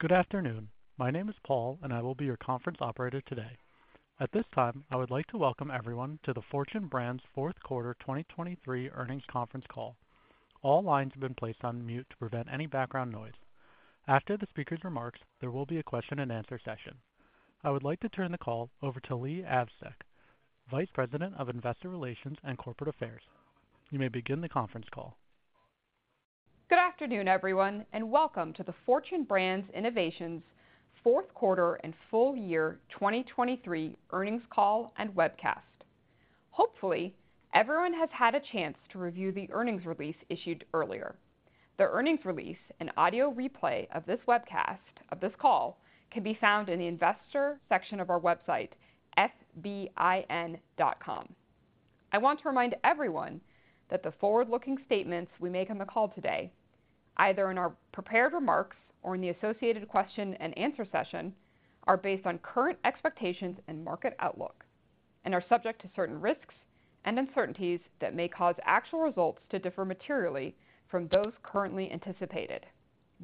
Good afternoon. My name is Paul, and I will be your conference operator today. At this time, I would like to welcome everyone to the Fortune Brands fourth quarter 2023 earnings conference call. All lines have been placed on mute to prevent any background noise. After the speaker's remarks, there will be a Q&A session. I would like to turn the call over to Leigh Avsec, Vice President of Investor Relations and Corporate Affairs. You may begin the conference call. Good afternoon, everyone, and welcome to the Fortune Brands Innovations fourth quarter and full year 2023 earnings call and webcast. Hopefully, everyone has had a chance to review the earnings release issued earlier. The earnings release and audio replay of this webcast of this call can be found in the investor section of our website, fbin.com. I want to remind everyone that the forward-looking statements we make on the call today, either in our prepared remarks or in the associated question and answer session, are based on current expectations and market outlook, and are subject to certain risks and uncertainties that may cause actual results to differ materially from those currently anticipated.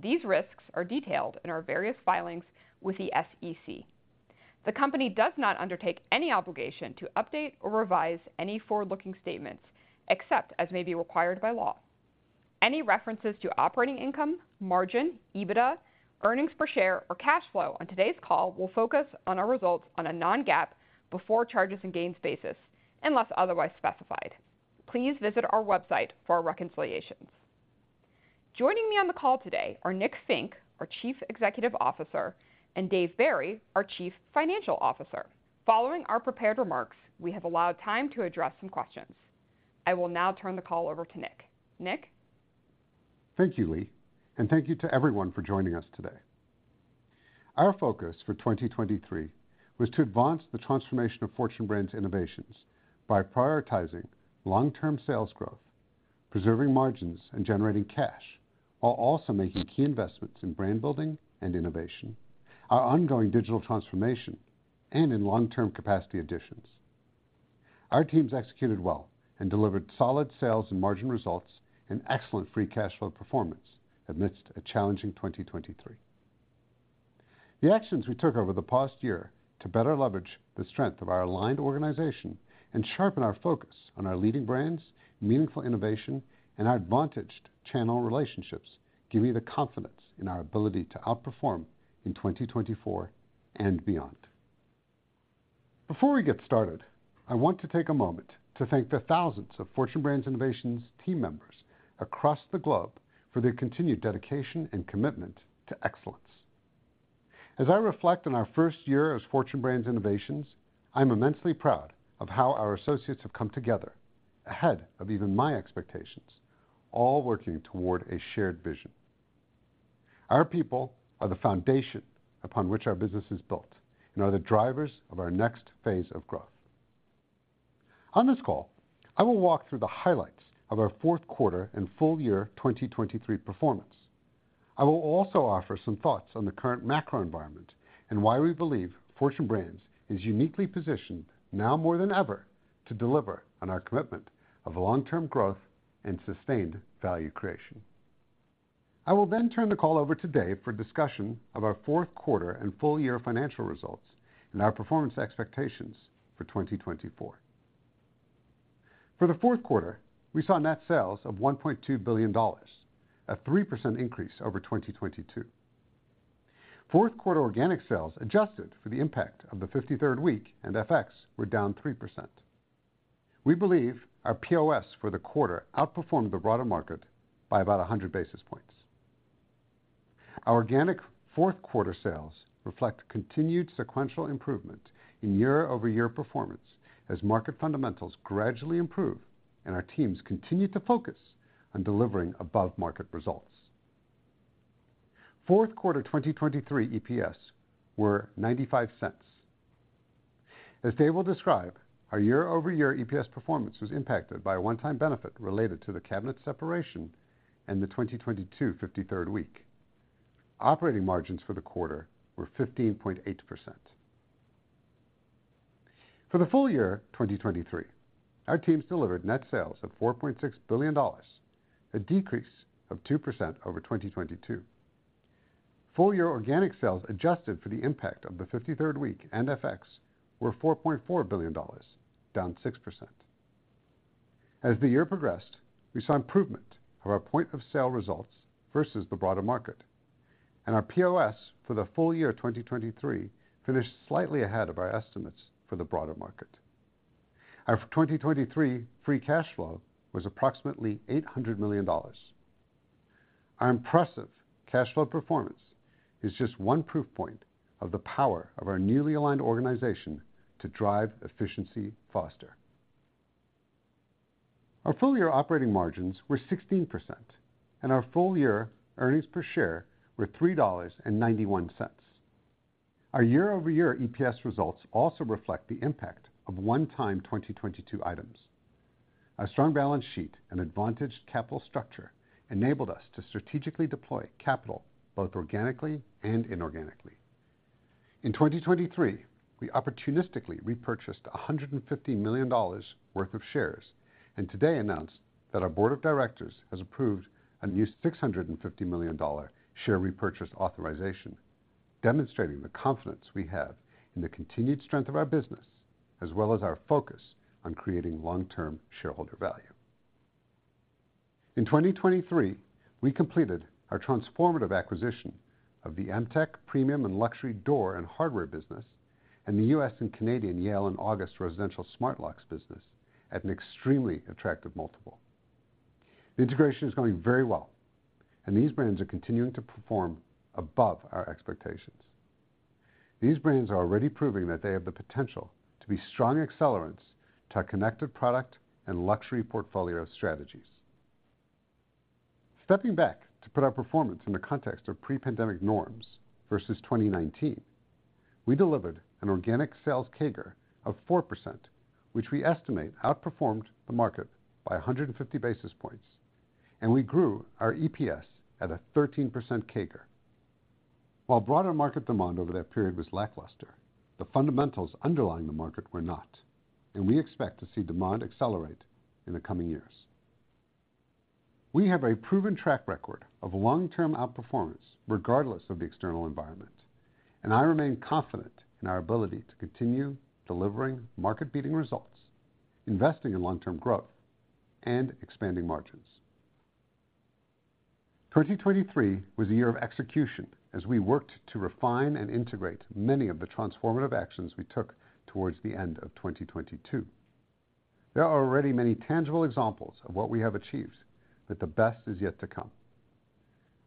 These risks are detailed in our various filings with the SEC. The company does not undertake any obligation to update or revise any forward-looking statements, except as may be required by law. Any references to operating income, margin, EBITDA, earnings per share, or cash flow on today's call will focus on our results on a non-GAAP before charges and gains basis, unless otherwise specified. Please visit our website for our reconciliations. Joining me on the call today are Nick Fink, our Chief Executive Officer, and Dave Barry, our Chief Financial Officer. Following our prepared remarks, we have allowed time to address some questions. I will now turn the call over to Nick. Nick? Thank you, Leigh, and thank you to everyone for joining us today. Our focus for 2023 was to advance the transformation of Fortune Brands Innovations by prioritizing long-term sales growth, preserving margins, and generating cash, while also making key investments in brand building and innovation, our ongoing digital transformation, and in long-term capacity additions. Our teams executed well and delivered solid sales and margin results and excellent free cash flow performance amidst a challenging 2023. The actions we took over the past year to better leverage the strength of our aligned organization and sharpen our focus on our leading brands, meaningful innovation, and our advantaged channel relationships, give me the confidence in our ability to outperform in 2024 and beyond. Before we get started, I want to take a moment to thank the thousands of Fortune Brands Innovations team members across the globe for their continued dedication and commitment to excellence. As I reflect on our first year as Fortune Brands Innovations, I'm immensely proud of how our associates have come together ahead of even my expectations, all working toward a shared vision. Our people are the foundation upon which our business is built and are the drivers of our next phase of growth. On this call, I will walk through the highlights of our fourth quarter and full year 2023 performance. I will also offer some thoughts on the current macro environment and why we believe Fortune Brands is uniquely positioned, now more than ever, to deliver on our commitment of long-term growth and sustained value creation. I will then turn the call over to Dave for a discussion of our fourth quarter and full year financial results and our performance expectations for 2024. For the fourth quarter, we saw net sales of $1.2 billion, a 3% increase over 2022. Fourth quarter organic sales, adjusted for the impact of the 53rd week and FX, were down 3%. We believe our POS for the quarter outperformed the broader market by about 100 basis points. Our organic fourth quarter sales reflect continued sequential improvement in year-over-year performance as market fundamentals gradually improve and our teams continue to focus on delivering above-market results. Fourth quarter 2023 EPS were $0.95. As Dave will describe, our year-over-year EPS performance was impacted by a one-time benefit related to the cabinet separation and the 2022 53rd week. Operating margins for the quarter were 15.8%. For the full year 2023, our teams delivered net sales of $4.6 billion, a decrease of 2% over 2022. Full year organic sales, adjusted for the impact of the 53rd week and FX, were $4.4 billion, down 6%. As the year progressed, we saw improvement of our point of sale results versus the broader market, and our POS for the full year 2023 finished slightly ahead of our estimates for the broader market. Our 2023 free cash flow was approximately $800 million. Our impressive cash flow performance is just one proof point of the power of our newly aligned organization to drive efficiency faster. Our full year operating margins were 16%, and our full year earnings per share were $3.91. Our year-over-year EPS results also reflect the impact of one-time 2022 items. Our strong balance sheet and advantaged capital structure enabled us to strategically deploy capital, both organically and inorganically. In 2023, we opportunistically repurchased $150 million worth of shares, and today announced that our board of directors has approved a new $650 million share repurchase authorization, demonstrating the confidence we have in the continued strength of our business, as well as our focus on creating long-term shareholder value. In 2023, we completed our transformative acquisition of the Emtek premium and luxury door and hardware business, and the U.S. and Canadian Yale and August residential smart locks business at an extremely attractive multiple. The integration is going very well, and these brands are continuing to perform above our expectations. These brands are already proving that they have the potential to be strong accelerants to our connected product and luxury portfolio strategies. Stepping back to put our performance in the context of pre-pandemic norms versus 2019, we delivered an organic sales CAGR of 4%, which we estimate outperformed the market by 150 basis points, and we grew our EPS at a 13% CAGR. While broader market demand over that period was lackluster, the fundamentals underlying the market were not, and we expect to see demand accelerate in the coming years. We have a proven track record of long-term outperformance, regardless of the external environment, and I remain confident in our ability to continue delivering market-leading results, investing in long-term growth, and expanding margins. 2023 was a year of execution as we worked to refine and integrate many of the transformative actions we took towards the end of 2022. There are already many tangible examples of what we have achieved, but the best is yet to come.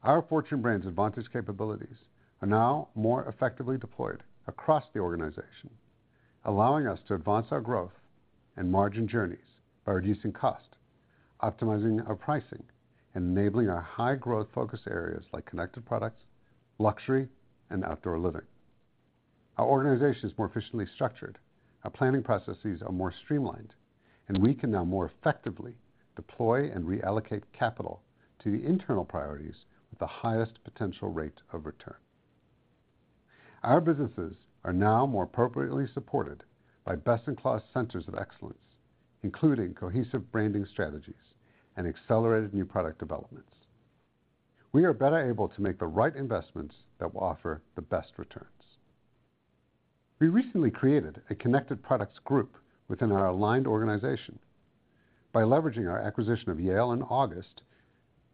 Our Fortune Brands Advantage capabilities are now more effectively deployed across the organization, allowing us to advance our growth and margin journeys by reducing cost, optimizing our pricing, enabling our high growth focus areas like connected products, luxury, and outdoor living. Our organization is more efficiently structured, our planning processes are more streamlined, and we can now more effectively deploy and reallocate capital to the internal priorities with the highest potential rate of return. Our businesses are now more appropriately supported by best-in-class centers of excellence, including cohesive branding strategies and accelerated new product developments. We are better able to make the right investments that will offer the best returns. We recently created a connected products group within our aligned organization. By leveraging our acquisition of Yale and August,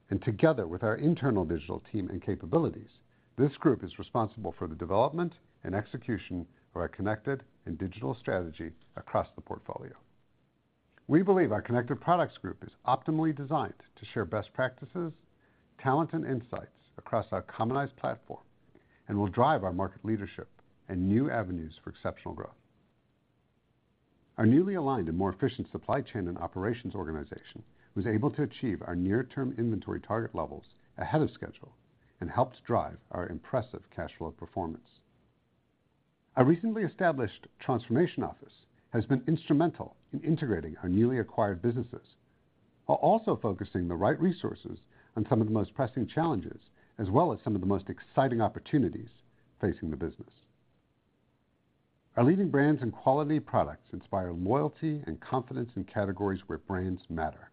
and together with our internal digital team and capabilities, this group is responsible for the development and execution of our connected and digital strategy across the portfolio. We believe our connected products group is optimally designed to share best practices, talent, and insights across our commonized platform, and will drive our market leadership and new avenues for exceptional growth. Our newly aligned and more efficient supply chain and operations organization was able to achieve our near-term inventory target levels ahead of schedule and helped drive our impressive cash flow performance. Our recently established transformation office has been instrumental in integrating our newly acquired businesses, while also focusing the right resources on some of the most pressing challenges, as well as some of the most exciting opportunities facing the business. Our leading brands and quality products inspire loyalty and confidence in categories where brands matter.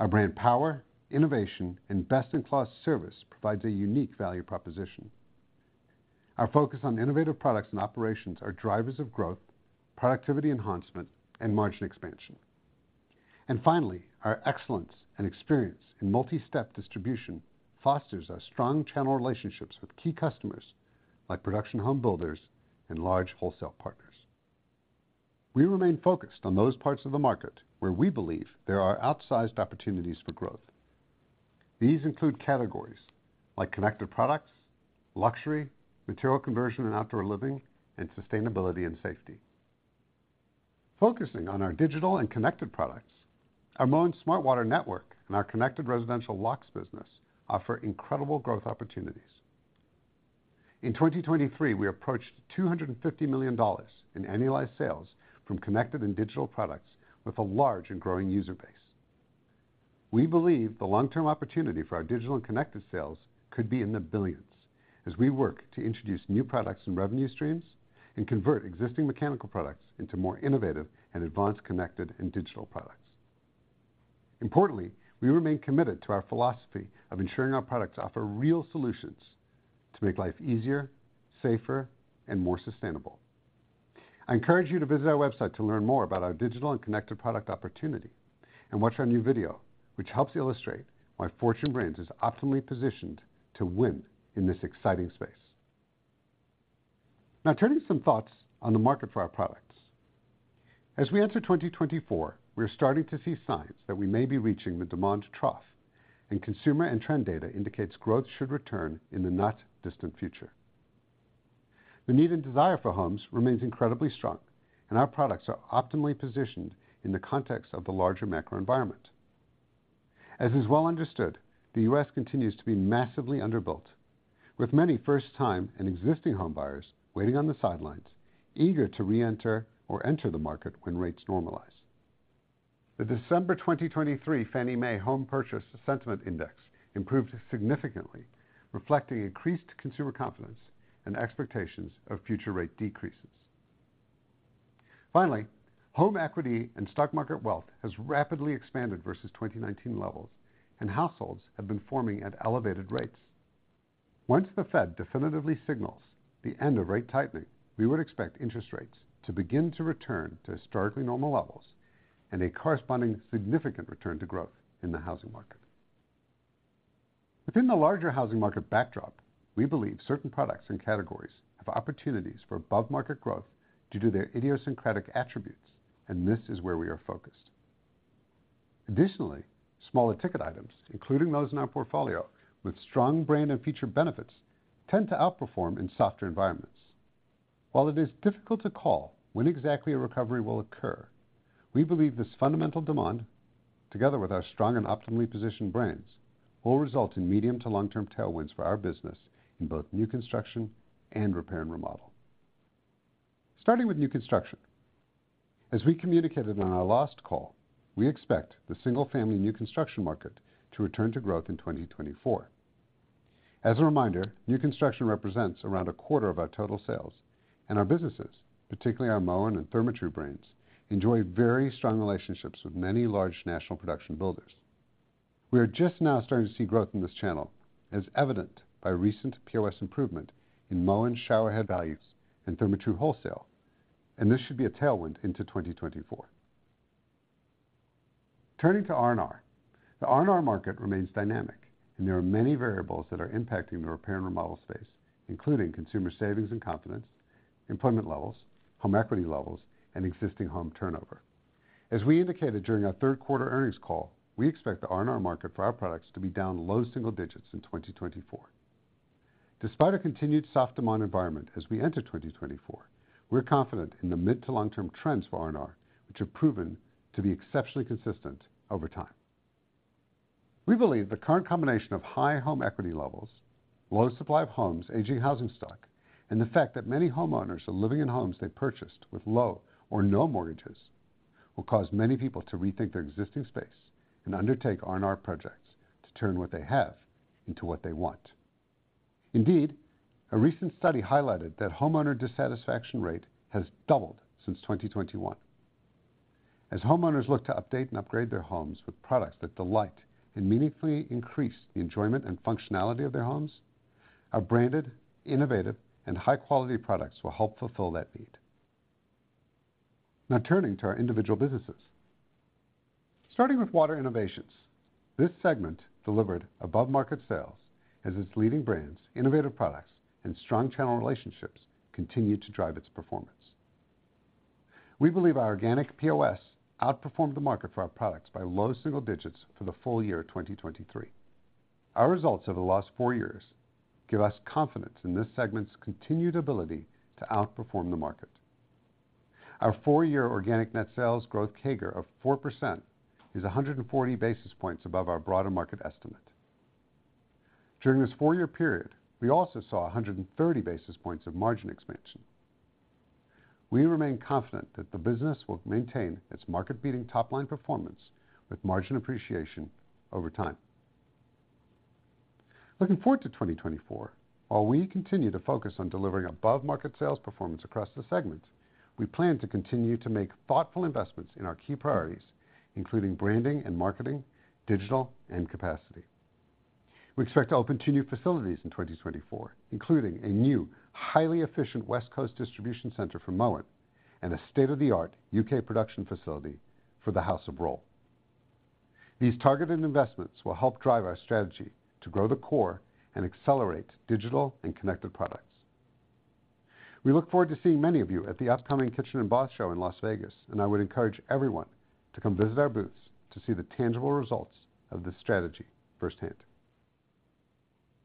Our brand power, innovation, and best-in-class service provides a unique value proposition. Our focus on innovative products and operations are drivers of growth, productivity enhancement, and margin expansion. And finally, our excellence and experience in multi-step distribution fosters our strong channel relationships with key customers like production home builders and large wholesale partners. We remain focused on those parts of the market where we believe there are outsized opportunities for growth. These include categories like connected products, luxury, material conversion and outdoor living, and sustainability and safety. Focusing on our digital and connected products, our Moen Smart Water Network and our connected residential locks business offer incredible growth opportunities. In 2023, we approached $250 million in annualized sales from connected and digital products with a large and growing user base. We believe the long-term opportunity for our digital and connected sales could be in the billions as we work to introduce new products and revenue streams, and convert existing mechanical products into more innovative and advanced connected and digital products. Importantly, we remain committed to our philosophy of ensuring our products offer real solutions to make life easier, safer, and more sustainable. I encourage you to visit our website to learn more about our digital and connected product opportunity, and watch our new video, which helps illustrate why Fortune Brands is optimally positioned to win in this exciting space. Now, turning some thoughts on the market for our products. As we enter 2024, we are starting to see signs that we may be reaching the demand trough, and consumer and trend data indicates growth should return in the not distant future. The need and desire for homes remains incredibly strong, and our products are optimally positioned in the context of the larger macro environment. As is well understood, the U.S. continues to be massively underbuilt, with many first-time and existing home buyers waiting on the sidelines, eager to reenter or enter the market when rates normalize. The December 2023 Fannie Mae Home Purchase Sentiment Index improved significantly, reflecting increased consumer confidence and expectations of future rate decreases. Finally, home equity and stock market wealth has rapidly expanded versus 2019 levels, and households have been forming at elevated rates. Once the Fed definitively signals the end of rate tightening, we would expect interest rates to begin to return to historically normal levels and a corresponding significant return to growth in the housing market. Within the larger housing market backdrop, we believe certain products and categories have opportunities for above-market growth due to their idiosyncratic attributes, and this is where we are focused. Additionally, smaller ticket items, including those in our portfolio with strong brand and feature benefits, tend to outperform in softer environments. While it is difficult to call when exactly a recovery will occur, we believe this fundamental demand, together with our strong and optimally positioned brands, will result in medium to long-term tailwinds for our business in both new construction and repair and remodel. Starting with new construction, as we communicated on our last call, we expect the single-family new construction market to return to growth in 2024. As a reminder, new construction represents around a quarter of our total sales and our businesses, particularly our Moen and Therma-Tru brands, enjoy very strong relationships with many large national production builders. We are just now starting to see growth in this channel, as evident by recent POS improvement in Moen shower head values and Therma-Tru wholesale, and this should be a tailwind into 2024. Turning to R&R. The R&R market remains dynamic, and there are many variables that are impacting the repair and remodel space, including consumer savings and confidence, employment levels, home equity levels, and existing home turnover. As we indicated during our third quarter earnings call, we expect the R&R market for our products to be down low single digits in 2024. Despite a continued soft demand environment as we enter 2024, we're confident in the mid to long-term trends for R&R, which have proven to be exceptionally consistent over time. We believe the current combination of high home equity levels, low supply of homes, aging housing stock, and the fact that many homeowners are living in homes they purchased with low or no mortgages, will cause many people to rethink their existing space and undertake R&R projects to turn what they have into what they want. Indeed, a recent study highlighted that homeowner dissatisfaction rate has doubled since 2021. As homeowners look to update and upgrade their homes with products that delight and meaningfully increase the enjoyment and functionality of their homes, our branded, innovative, and high-quality products will help fulfill that need. Now, turning to our individual businesses. Starting with Water Innovations, this segment delivered above-market sales as its leading brands, innovative products, and strong channel relationships continued to drive its performance. We believe our organic POS outperformed the market for our products by low single digits for the full year 2023. Our results over the last four years give us confidence in this segment's continued ability to outperform the market. Our four-year organic net sales growth CAGR of 4% is 140 basis points above our broader market estimate. During this four-year period, we also saw 130 basis points of margin expansion. We remain confident that the business will maintain its market-leading top-line performance with margin appreciation over time. Looking forward to 2024, while we continue to focus on delivering above-market sales performance across the segments, we plan to continue to make thoughtful investments in our key priorities, including branding and marketing, digital, and capacity. We expect to open two new facilities in 2024, including a new, highly efficient West Coast distribution center for Moen, and a state-of-the-art U.K. production facility for the House of Rohl. These targeted investments will help drive our strategy to grow the core and accelerate digital and connected products. We look forward to seeing many of you at the upcoming Kitchen and Bath Show in Las Vegas, and I would encourage everyone to come visit our booths to see the tangible results of this strategy firsthand.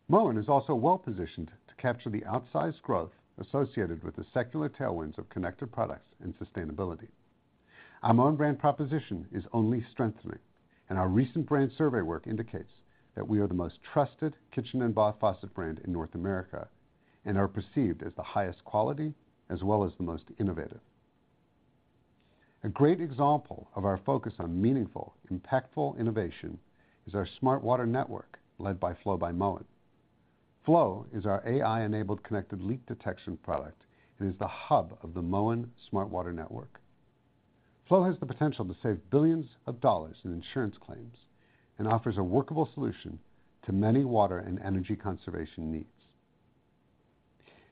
Moen is also well-positioned to capture the outsized growth associated with the secular tailwinds of connected products and sustainability. Our Moen brand proposition is only strengthening, and our recent brand survey work indicates that we are the most trusted kitchen and bath faucet brand in North America and are perceived as the highest quality as well as the most innovative. A great example of our focus on meaningful, impactful innovation is our Smart Water Network, led by Flo by Moen. Flo is our AI-enabled connected leak detection product and is the hub of the Moen Smart Water Network. Flo has the potential to save billions of dollars in insurance claims and offers a workable solution to many water and energy conservation needs.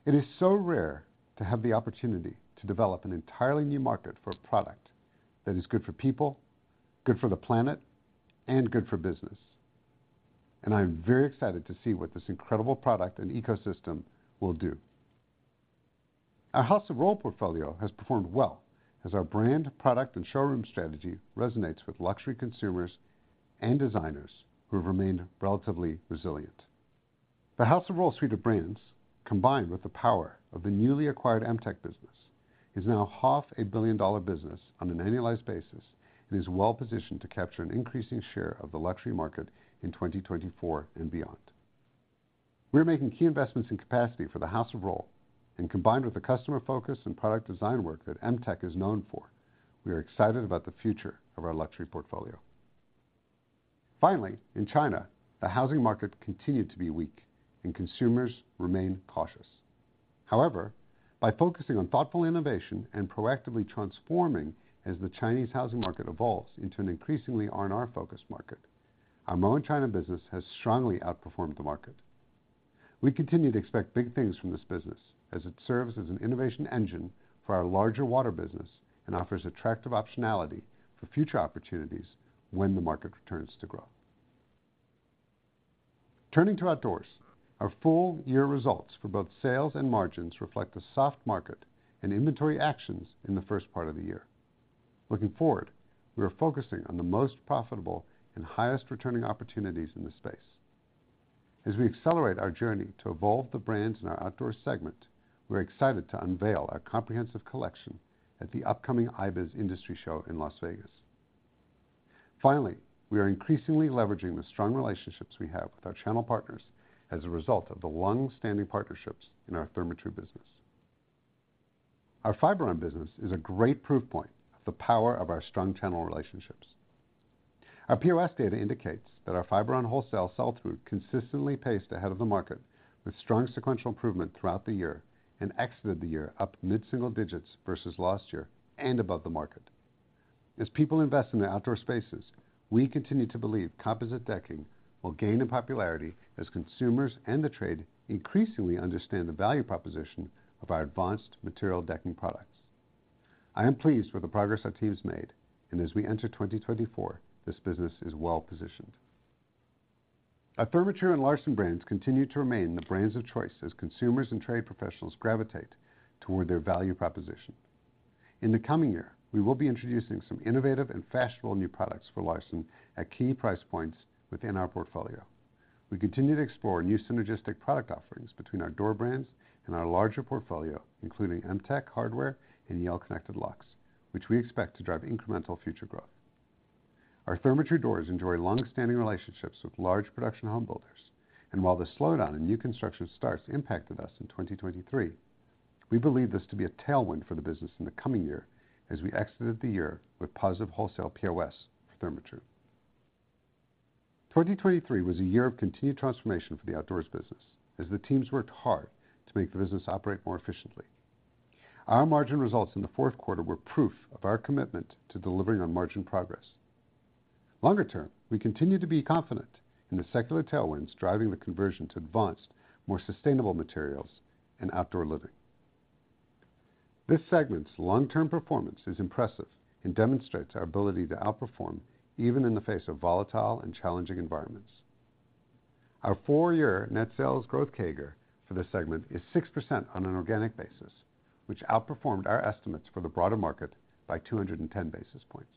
It is so rare to have the opportunity to develop an entirely new market for a product that is good for people, good for the planet, and good for business, and I am very excited to see what this incredible product and ecosystem will do. Our House of Rohl portfolio has performed well as our brand, product, and showroom strategy resonates with luxury consumers and designers who have remained relatively resilient. The House of Rohl suite of brands, combined with the power of the newly acquired Emtek business, is now a $500 million business on an annualized basis and is well positioned to capture an increasing share of the luxury market in 2024 and beyond. We're making key investments in capacity for the House of Rohl, and combined with the customer focus and product design work that Emtek is known for, we are excited about the future of our luxury portfolio. Finally, in China, the housing market continued to be weak, and consumers remained cautious. However, by focusing on thoughtful innovation and proactively transforming as the Chinese housing market evolves into an increasingly R&R-focused market, our Moen China business has strongly outperformed the market. We continue to expect big things from this business, as it serves as an innovation engine for our larger water business and offers attractive optionality for future opportunities when the market returns to growth. Turning to Outdoors, our full year results for both sales and margins reflect the soft market and inventory actions in the first part of the year. Looking forward, we are focusing on the most profitable and highest returning opportunities in this space. As we accelerate our journey to evolve the brands in our Outdoors segment, we're excited to unveil our comprehensive collection at the upcoming KBIS in Las Vegas. Finally, we are increasingly leveraging the strong relationships we have with our channel partners as a result of the long-standing partnerships in our Therma-Tru business. Our Fiberon business is a great proof point of the power of our strong channel relationships. Our POS data indicates that our Fiberon wholesale sell-through consistently paced ahead of the market, with strong sequential improvement throughout the year, and exited the year up mid-single digits versus last year and above the market. As people invest in their outdoor spaces, we continue to believe composite decking will gain in popularity as consumers and the trade increasingly understand the value proposition of our advanced material decking products. I am pleased with the progress our team's made, and as we enter 2024, this business is well positioned. Our Therma-Tru and Larson brands continue to remain the brands of choice as consumers and trade professionals gravitate toward their value proposition. In the coming year, we will be introducing some innovative and fashionable new products for Larson at key price points within our portfolio. We continue to explore new synergistic product offerings between our door brands and our larger portfolio, including Emtek Hardware and Yale Connected Locks, which we expect to drive incremental future growth. Our Therma-Tru doors enjoy long-standing relationships with large production home builders, and while the slowdown in new construction starts impacted us in 2023, we believe this to be a tailwind for the business in the coming year as we exited the year with positive wholesale POS for Therma-Tru. 2023 was a year of continued transformation for the Outdoors business, as the teams worked hard to make the business operate more efficiently. Our margin results in the fourth quarter were proof of our commitment to delivering on margin progress. Longer term, we continue to be confident in the secular tailwinds driving the conversion to advanced, more sustainable materials and outdoor living. This segment's long-term performance is impressive and demonstrates our ability to outperform even in the face of volatile and challenging environments. Our four-year net sales growth CAGR for this segment is 6% on an organic basis, which outperformed our estimates for the broader market by 210 basis points.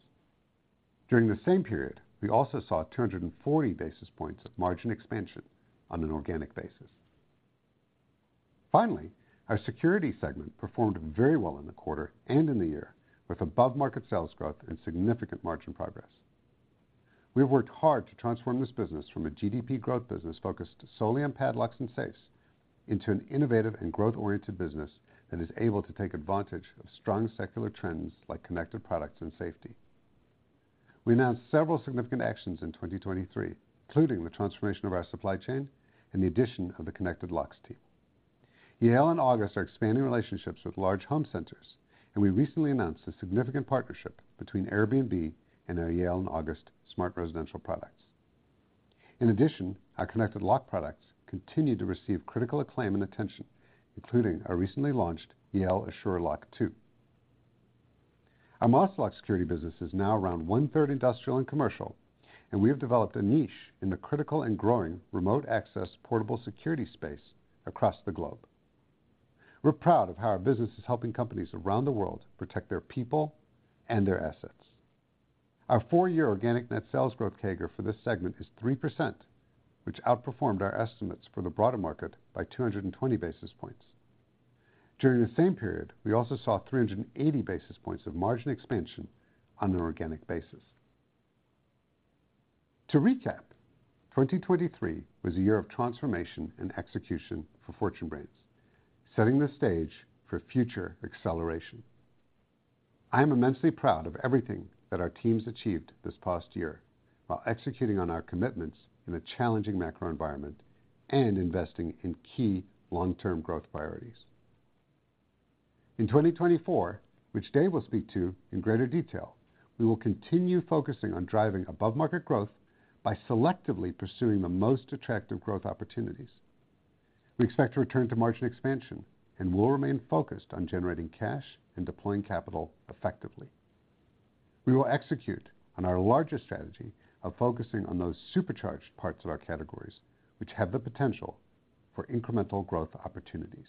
During the same period, we also saw 240 basis points of margin expansion on an organic basis. Finally, our Security segment performed very well in the quarter and in the year, with above-market sales growth and significant margin progress. We have worked hard to transform this business from a GDP growth business focused solely on padlocks and safes into an innovative and growth-oriented business that is able to take advantage of strong secular trends like connected products and safety. We announced several significant actions in 2023, including the transformation of our supply chain and the addition of the connected locks team. Yale and August are expanding relationships with large home centers, and we recently announced a significant partnership between Airbnb and our Yale and August smart residential products. In addition, our connected lock products continued to receive critical acclaim and attention, including our recently launched Yale Assure Lock 2. Our Master Lock Security business is now around one-third industrial and commercial, and we have developed a niche in the critical and growing remote access, portable security space across the globe. We're proud of how our business is helping companies around the world protect their people and their assets. Our four-year organic net sales growth CAGR for this segment is 3%, which outperformed our estimates for the broader market by 220 basis points. During the same period, we also saw 380 basis points of margin expansion on an organic basis. To recap, 2023 was a year of transformation and execution for Fortune Brands Innovations, setting the stage for future acceleration. I am immensely proud of everything that our teams achieved this past year while executing on our commitments in a challenging macro environment and investing in key long-term growth priorities. In 2024, which Dave will speak to in greater detail, we will continue focusing on driving above-market growth by selectively pursuing the most attractive growth opportunities. We expect to return to margin expansion and will remain focused on generating cash and deploying capital effectively. We will execute on our larger strategy of focusing on those supercharged parts of our categories, which have the potential for incremental growth opportunities.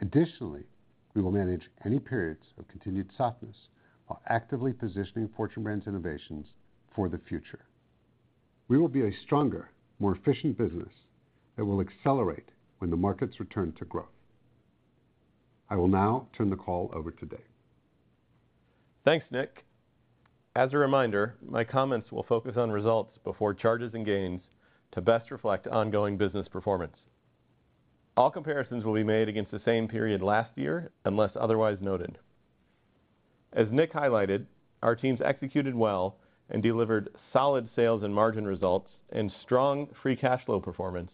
Additionally, we will manage any periods of continued softness while actively positioning Fortune Brands Innovations for the future. We will be a stronger, more efficient business that will accelerate when the markets return to growth. I will now turn the call over to Dave.... Thanks, Nick. As a reminder, my comments will focus on results before charges and gains to best reflect ongoing business performance. All comparisons will be made against the same period last year, unless otherwise noted. As Nick highlighted, our teams executed well and delivered solid sales and margin results and strong free cash flow performance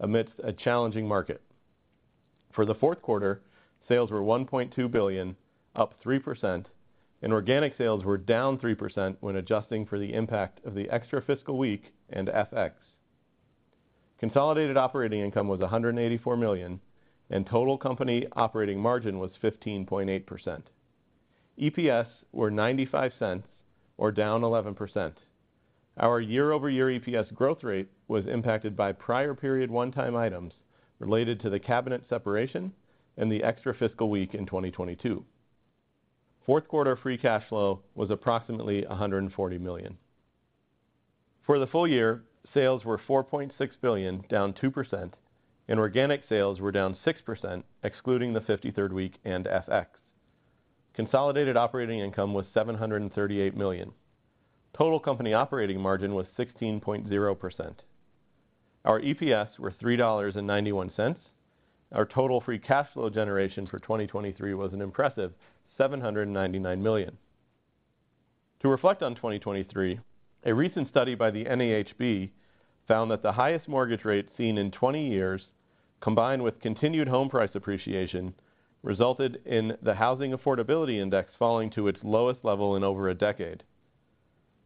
amidst a challenging market. For the fourth quarter, sales were $1.2 billion, up 3%, and organic sales were down 3% when adjusting for the impact of the extra fiscal week and FX. Consolidated operating income was $184 million, and total company operating margin was 15.8%. EPS were $0.95 or down 11%. Our year-over-year EPS growth rate was impacted by prior period one-time items related to the cabinet separation and the extra fiscal week in 2022. Fourth quarter free cash flow was approximately $140 million. For the full year, sales were $4.6 billion, down 2%, and organic sales were down 6%, excluding the 53rd week and FX. Consolidated operating income was $738 million. Total company operating margin was 16.0%. Our EPS were $3.91. Our total free cash flow generation for 2023 was an impressive $799 million. To reflect on 2023, a recent study by the NAHB found that the highest mortgage rates seen in 20 years, combined with continued home price appreciation, resulted in the Housing Affordability Index falling to its lowest level in over a decade.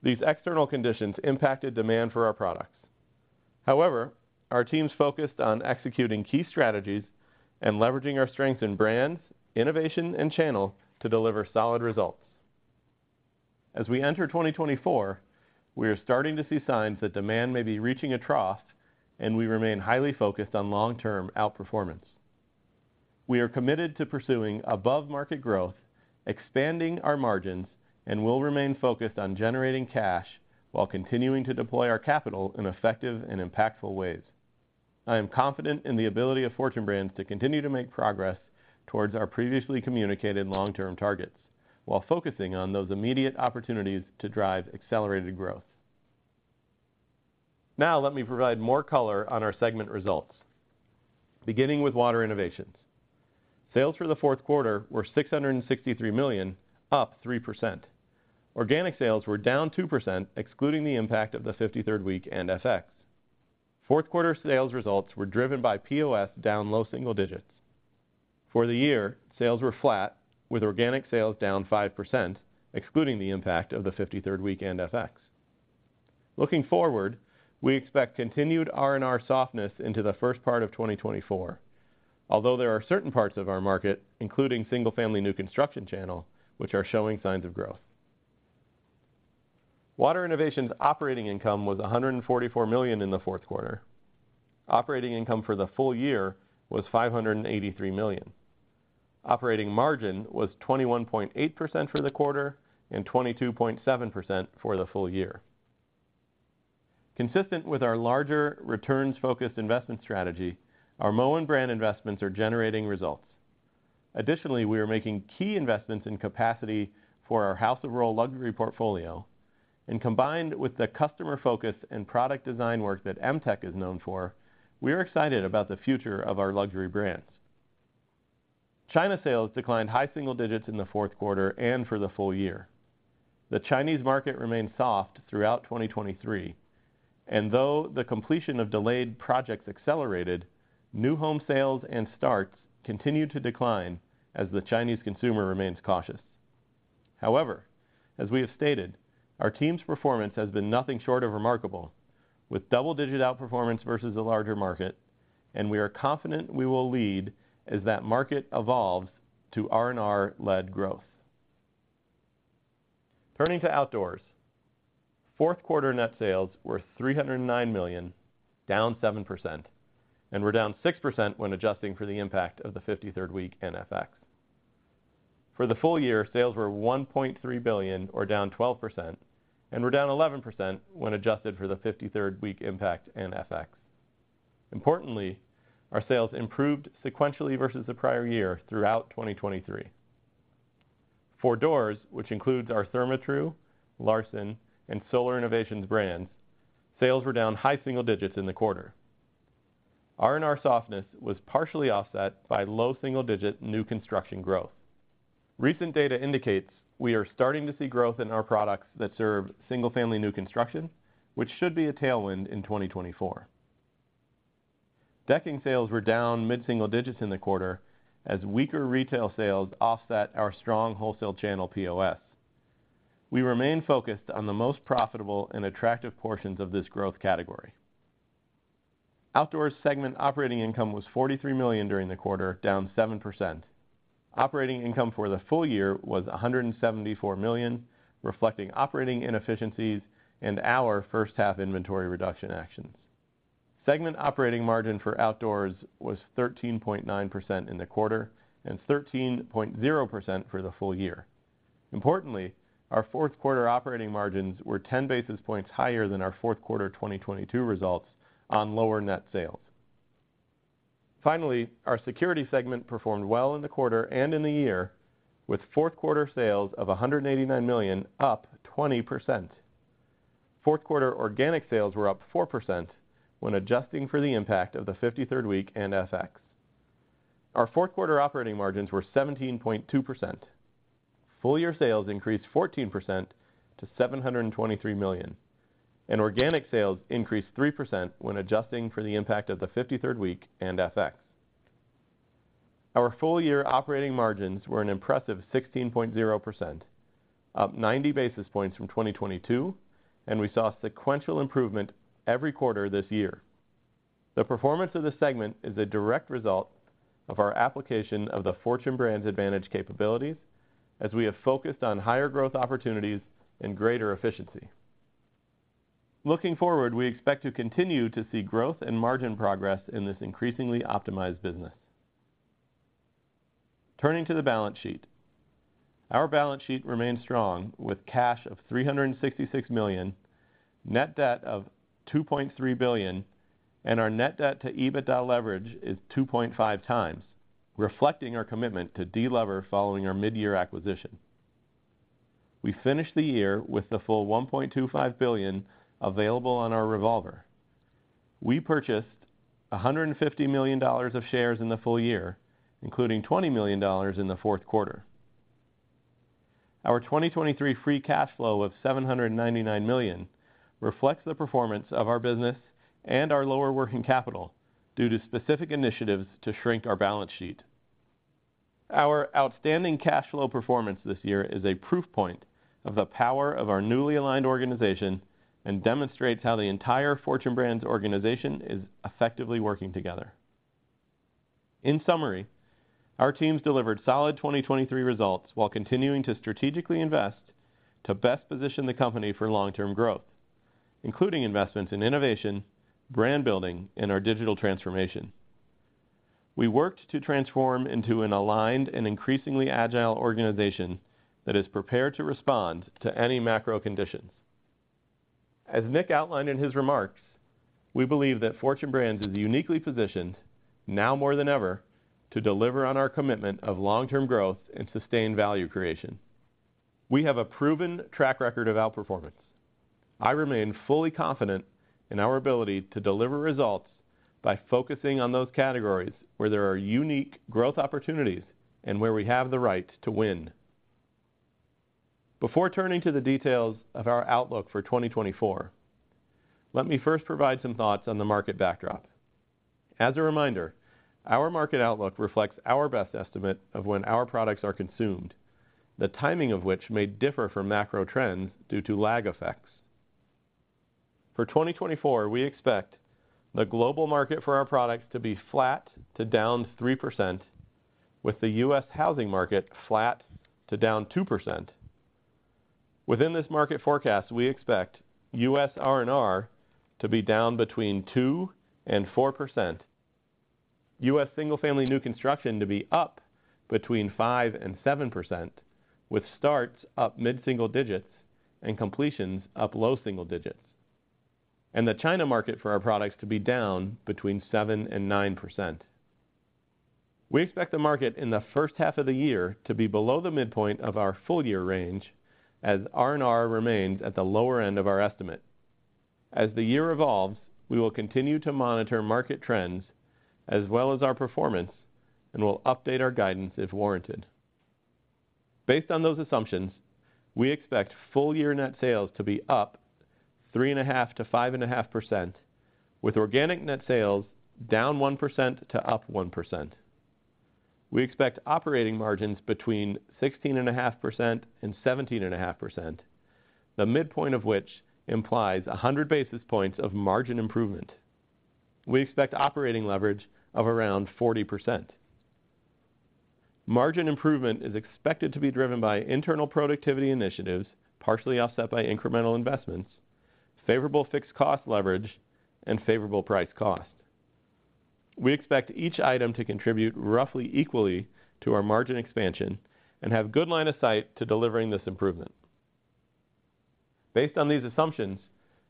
These external conditions impacted demand for our products. However, our teams focused on executing key strategies and leveraging our strength in brands, innovation, and channel to deliver solid results. As we enter 2024, we are starting to see signs that demand may be reaching a trough, and we remain highly focused on long-term outperformance. We are committed to pursuing above-market growth, expanding our margins, and will remain focused on generating cash while continuing to deploy our capital in effective and impactful ways. I am confident in the ability of Fortune Brands to continue to make progress towards our previously communicated long-term targets, while focusing on those immediate opportunities to drive accelerated growth. Now, let me provide more color on our segment results. Beginning with Water Innovations. Sales for the fourth quarter were $663 million, up 3%. Organic sales were down 2%, excluding the impact of the 53rd week and FX.Fourth quarter sales results were driven by POS, down low single digits. For the year, sales were flat, with organic sales down 5%, excluding the impact of the 53rd week and FX. Looking forward, we expect continued R&R softness into the first part of 2024, although there are certain parts of our market, including single-family new construction channel, which are showing signs of growth. Water Innovations operating income was $144 million in the fourth quarter. Operating income for the full year was $583 million. Operating margin was 21.8% for the quarter and 22.7% for the full year. Consistent with our larger returns-focused investment strategy, our Moen brand investments are generating results. Additionally, we are making key investments in capacity for our House of Rohl luxury portfolio, and combined with the customer focus and product design work that Emtek is known for, we are excited about the future of our luxury brands. China sales declined high single digits in the fourth quarter and for the full year. The Chinese market remained soft throughout 2023, and though the completion of delayed projects accelerated, new home sales and starts continued to decline as the Chinese consumer remains cautious. However, as we have stated, our team's performance has been nothing short of remarkable, with double-digit outperformance versus the larger market, and we are confident we will lead as that market evolves to R&R-led growth. Turning to outdoors. Fourth quarter net sales were $309 million, down 7%, and were down 6% when adjusting for the impact of the 53rd week in FX. For the full year, sales were $1.3 billion, or down 12%, and were down 11% when adjusted for the 53rd week impact in FX. Importantly, our sales improved sequentially versus the prior year throughout 2023. For doors, which includes our Therma-Tru, Larson, and Solar Innovations brands, sales were down high single digits in the quarter. R&R softness was partially offset by low single-digit new construction growth. Recent data indicates we are starting to see growth in our products that serve single-family new construction, which should be a tailwind in 2024. Decking sales were down mid-single digits in the quarter as weaker retail sales offset our strong wholesale channel POS. We remain focused on the most profitable and attractive portions of this growth category. Outdoors segment operating income was $43 million during the quarter, down 7%. Operating income for the full year was $174 million, reflecting operating inefficiencies and our first-half inventory reduction actions. Segment operating margin for Outdoors was 13.9% in the quarter and 13.0% for the full year. Importantly, our fourth quarter operating margins were 10 basis points higher than our fourth quarter 2022 results on lower net sales. Finally, our Security segment performed well in the quarter and in the year, with fourth quarter sales of $189 million, up 20%. Fourth quarter organic sales were up 4% when adjusting for the impact of the 53rd week and FX. Our fourth quarter operating margins were 17.2%. Full year sales increased 14% to $723 million, and organic sales increased 3% when adjusting for the impact of the 53rd week and FX. Our full year operating margins were an impressive 16.0%, up 90 basis points from 2022, and we saw sequential improvement every quarter this year. The performance of the segment is a direct result of our application of the Fortune Brands Advantage capabilities as we have focused on higher growth opportunities and greater efficiency. Looking forward, we expect to continue to see growth and margin progress in this increasingly optimized business. Turning to the balance sheet. Our balance sheet remains strong, with cash of $366 million, net debt of $2.3 billion, and our net debt to EBITDA leverage is 2.5x, reflecting our commitment to delever following our mid-year acquisition. We finished the year with the full $1.25 billion available on our revolver. We purchased $150 million of shares in the full year, including $20 million in the fourth quarter. Our 2023 free cash flow of $799 million reflects the performance of our business and our lower working capital due to specific initiatives to shrink our balance sheet. Our outstanding cash flow performance this year is a proof point of the power of our newly aligned organization and demonstrates how the entire Fortune Brands organization is effectively working together. In summary, our teams delivered solid 2023 results while continuing to strategically invest to best position the company for long-term growth, including investments in innovation, brand building and our digital transformation. We worked to transform into an aligned and increasingly agile organization that is prepared to respond to any macro conditions. As Nick outlined in his remarks, we believe that Fortune Brands is uniquely positioned, now more than ever, to deliver on our commitment of long-term growth and sustained value creation. We have a proven track record of outperformance. I remain fully confident in our ability to deliver results by focusing on those categories where there are unique growth opportunities and where we have the right to win. Before turning to the details of our outlook for 2024, let me first provide some thoughts on the market backdrop. As a reminder, our market outlook reflects our best estimate of when our products are consumed, the timing of which may differ from macro trends due to lag effects. For 2024, we expect the global market for our products to be flat to down 3%, with the U.S. housing market flat to down 2%. Within this market forecast, we expect U.S. R&R to be down between 2% and 4%. U.S. single-family new construction to be up between 5% and 7%, with starts up mid-single digits and completions up low single digits, and the China market for our products to be down between 7% and 9%. We expect the market in the first half of the year to be below the midpoint of our full year range as R&R remains at the lower end of our estimate. As the year evolves, we will continue to monitor market trends as well as our performance, and we'll update our guidance if warranted. Based on those assumptions, we expect full year net sales to be up 3.5%-5.5%, with organic net sales down 1% to up 1%. We expect operating margins between 16.5% and 17.5%, the midpoint of which implies 100 basis points of margin improvement. We expect operating leverage of around 40%. Margin improvement is expected to be driven by internal productivity initiatives, partially offset by incremental investments, favorable fixed cost leverage and favorable price cost. We expect each item to contribute roughly equally to our margin expansion and have good line of sight to delivering this improvement. Based on these assumptions,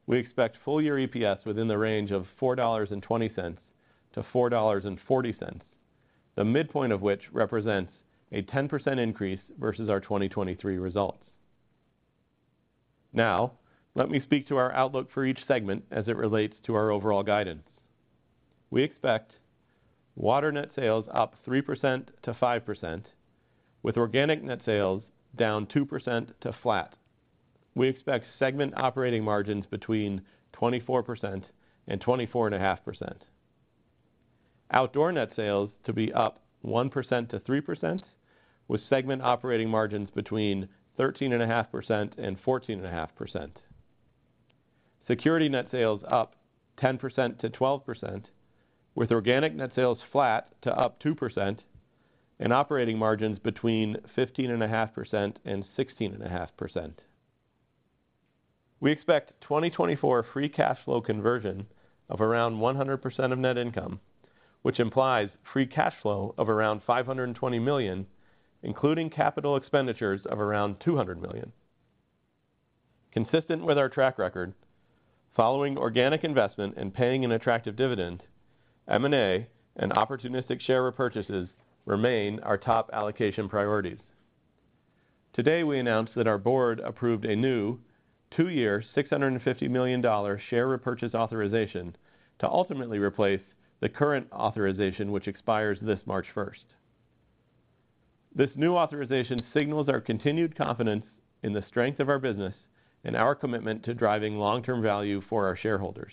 we expect full year EPS within the range of $4.20-$4.40, the midpoint of which represents a 10% increase versus our 2023 results. Now, let me speak to our outlook for each segment as it relates to our overall guidance. We expect water net sales up 3%-5%, with organic net sales down 2% to flat. We expect segment operating margins between 24% and 24.5%. Outdoor net sales to be up 1%-3%, with segment operating margins between 13.5% and 14.5%. Security net sales up 10%-12%, with organic net sales flat to up 2% and operating margins between 15.5% and 16.5%. We expect 2024 free cash flow conversion of around 100% of net income, which implies free cash flow of around $520 million, including capital expenditures of around $200 million. Consistent with our track record, following organic investment and paying an attractive dividend, M&A and opportunistic share repurchases remain our top allocation priorities. Today, we announced that our board approved a new two-year, $650 million share repurchase authorization to ultimately replace the current authorization, which expires this March 1st. This new authorization signals our continued confidence in the strength of our business and our commitment to driving long-term value for our shareholders.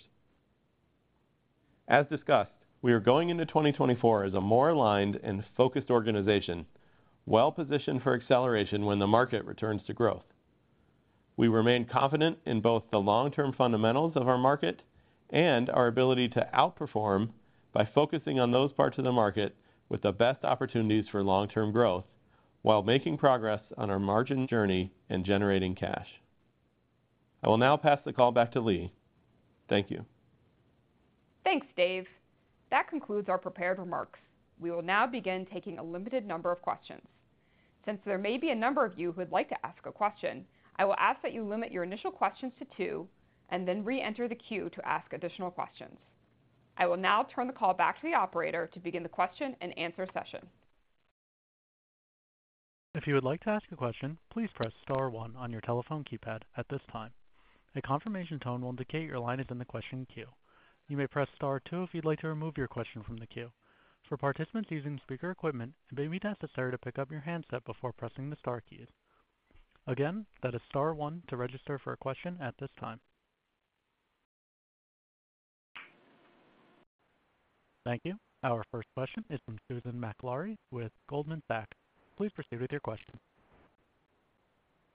As discussed, we are going into 2024 as a more aligned and focused organization, well-positioned for acceleration when the market returns to growth. We remain confident in both the long-term fundamentals of our market and our ability to outperform by focusing on those parts of the market with the best opportunities for long-term growth, while making progress on our margin journey and generating cash. I will now pass the call back to Leigh. Thank you. Thanks, Dave. That concludes our prepared remarks. We will now begin taking a limited number of questions. Since there may be a number of you who would like to ask a question, I will ask that you limit your initial questions to two and then reenter the queue to ask additional questions. I will now turn the call back to the operator to begin the Q&A session. If you would like to ask a question, please press star one on your telephone keypad at this time. A confirmation tone will indicate your line is in the question queue. You may press star two if you'd like to remove your question from the queue. For participants using speaker equipment, it may be necessary to pick up your handset before pressing the star keys. Again, that is star one to register for a question at this time. Thank you. Our first question is from Susan Maklari with Goldman Sachs. Please proceed with your question.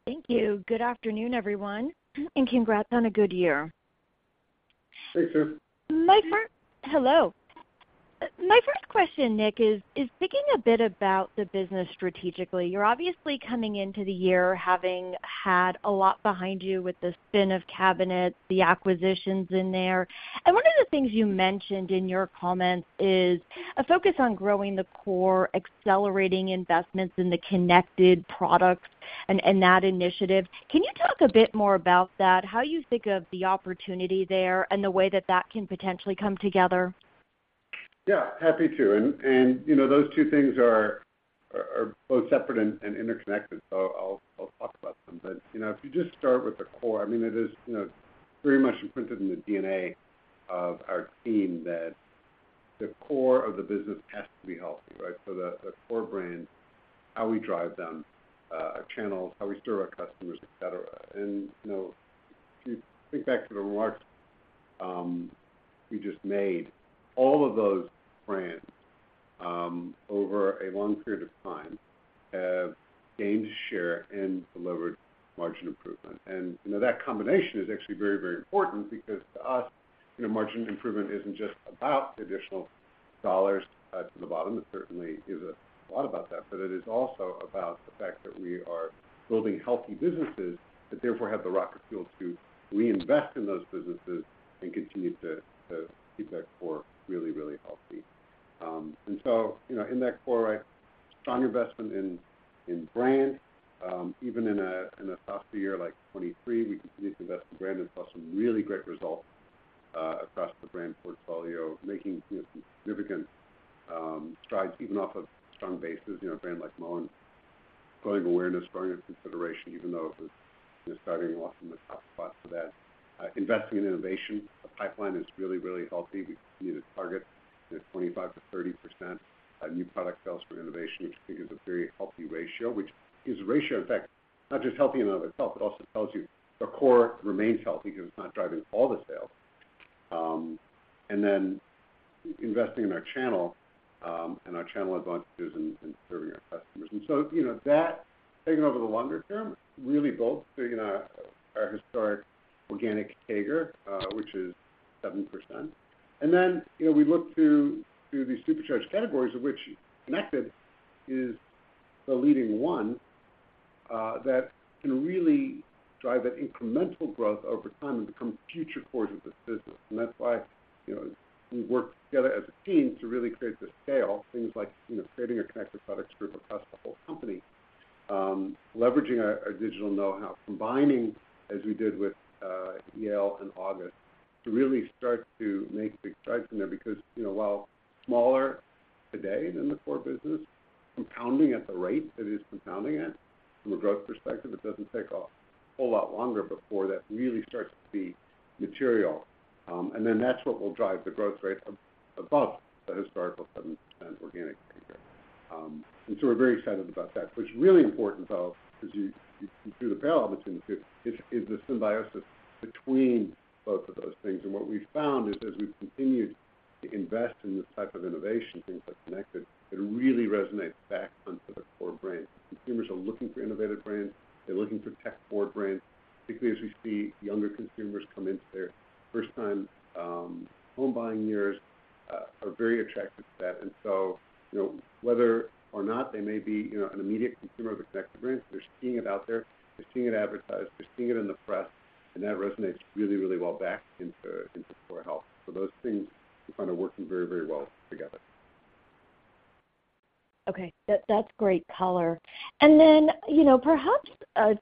Thank you. Good afternoon, everyone, and congrats on a good year. Hey, Sue. Hello. My first question, Nick, is thinking a bit about the business strategically. You're obviously coming into the year having had a lot behind you with the spin of cabinet, the acquisitions in there. One of the things you mentioned in your comments is a focus on growing the core, accelerating investments in the connected products and that initiative. Can you talk a bit more about that, how you think of the opportunity there and the way that can potentially come together? Yeah, happy to. And, you know, those two things are both separate and interconnected, so I'll talk about them. But, you know, if you just start with the core, I mean, it is, you know, very much imprinted in the DNA of our team that the core of the business has to be healthy, right? So the core brands, how we drive them, our channels, how we serve our customers, et cetera. And, you know, if you think back to the remarks we just made, all of those brands, over a long period of time, have gained share and delivered margin improvement. And, you know, that combination is actually very, very important because to us, you know, margin improvement isn't just about additional dollars to the bottom. It certainly is a lot about that, but it is also about the fact that we are building healthy businesses that therefore have the rocket fuel to reinvest in those businesses and continue to keep that core really, really healthy. And so, you know, in that core, right, strong investment in brand, even in a softer year like 2023, we continued to invest in brand and saw some really great results across the brand portfolio, making, you know, some significant strides, even off a strong basis. You know, a brand like Moen, growing awareness, growing its consideration, even though it was starting off in the top spot for that. Investing in innovation, the pipeline is really, really healthy. We see the target at 25%-30% new product sales from innovation, which is a very healthy ratio. Which is a ratio, in fact, not just healthy in and of itself, it also tells you the core remains healthy because it's not driving all the sales. And then investing in our channel, and our channel adventures and, and serving our customers. And so, you know, that taken over the longer term, really both figuring out our historic organic CAGR, which is 7%. And then, you know, we look to, to these supercharged categories of which Connected is the leading one, that can really drive that incremental growth over time and become future cores of this business. And that's why, you know, we work together as a team to really create this scale. Things like, you know, creating a Connected products group across the whole company, leveraging our, our digital know-how, combining, as we did with, Yale and August, to really start to make big strides in there. Because, you know, while smaller today than the core business, compounding at the rate that it is compounding at from a growth perspective, it doesn't take a whole lot longer before that really starts to be material. And then that's what will drive the growth rate above the historical 7% organic CAGR. And so we're very excited about that. What's really important, though, as you can draw the parallel between the two, is the symbiosis between both of those things. And what we've found is as we've continued to invest in this type of innovation, things like Connected, it really resonates back onto the core brand. Consumers are looking for innovative brands. They're looking for tech-forward brands, particularly as we see younger consumers come into their first-time home buying years, are very attracted to that. And so, you know, whether or not they may be, you know, an immediate consumer of a Connected brand, they're seeing it out there, they're seeing it advertised, they're seeing it in the press, and that resonates really, really well back into, into core health. So those things we find are working very, very well together. ... Okay, that, that's great color. And then, you know, perhaps,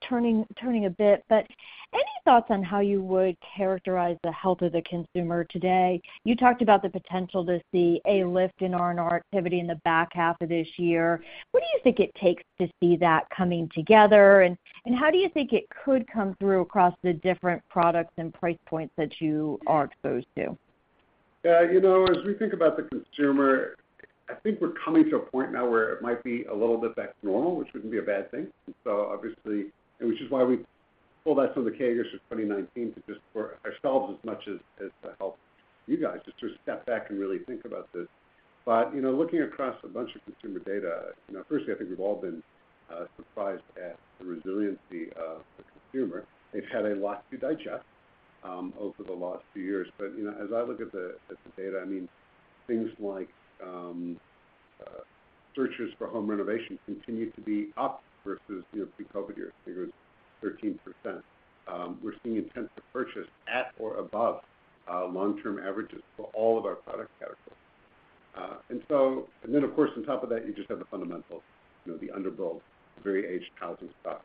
turning a bit, but any thoughts on how you would characterize the health of the consumer today? You talked about the potential to see a lift in R&R activity in the back half of this year. What do you think it takes to see that coming together, and how do you think it could come through across the different products and price points that you are exposed to? Yeah, you know, as we think about the consumer, I think we're coming to a point now where it might be a little bit back to normal, which wouldn't be a bad thing. So obviously, which is why we pulled back from the key years of 2019, to just for ourselves, as much as, as to help you guys, just to step back and really think about this. But, you know, looking across a bunch of consumer data, you know, firstly, I think we've all been surprised at the resiliency of the consumer. They've had a lot to digest over the last few years. But, you know, as I look at the data, I mean, things like searches for home renovation continue to be up versus, you know, pre-COVID year, I think it was 13%. We're seeing intent to purchase at or above long-term averages for all of our product categories. And then, of course, on top of that, you just have the fundamentals, you know, the underbuilt, very aged housing stock,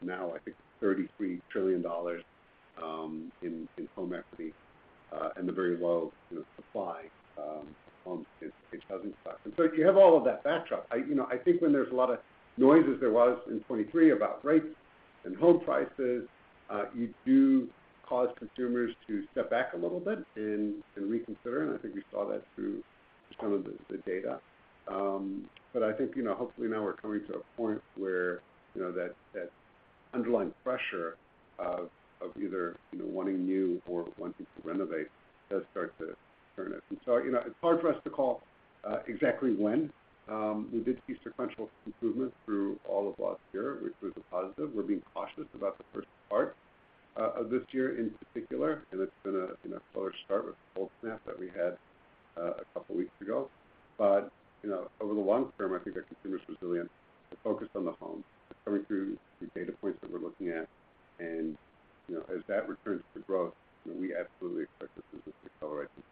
now, I think $33 trillion in home equity, and the very low, you know, supply, home and housing stock. And so if you have all of that backdrop, I, you know, I think when there's a lot of noise, as there was in 2023 about rates and home prices, you do cause consumers to step back a little bit and reconsider, and I think we saw that through some of the data. But I think, you know, hopefully now we're coming to a point where, you know, that, that underlying pressure of, of either, you know, wanting new or wanting to renovate does start to turn up. And so, you know, it's hard for us to call exactly when. We did see sequential improvement through all of last year, which was a positive. We're being cautious about the first part of this year in particular, and it's been a, you know, slower start with the cold snap that we had a couple weeks ago. But, you know, over the long term, I think our consumers' resilient, are focused on the home, coming through the data points that we're looking at. And, you know, as that returns to growth, we absolutely expect the business to accelerate. And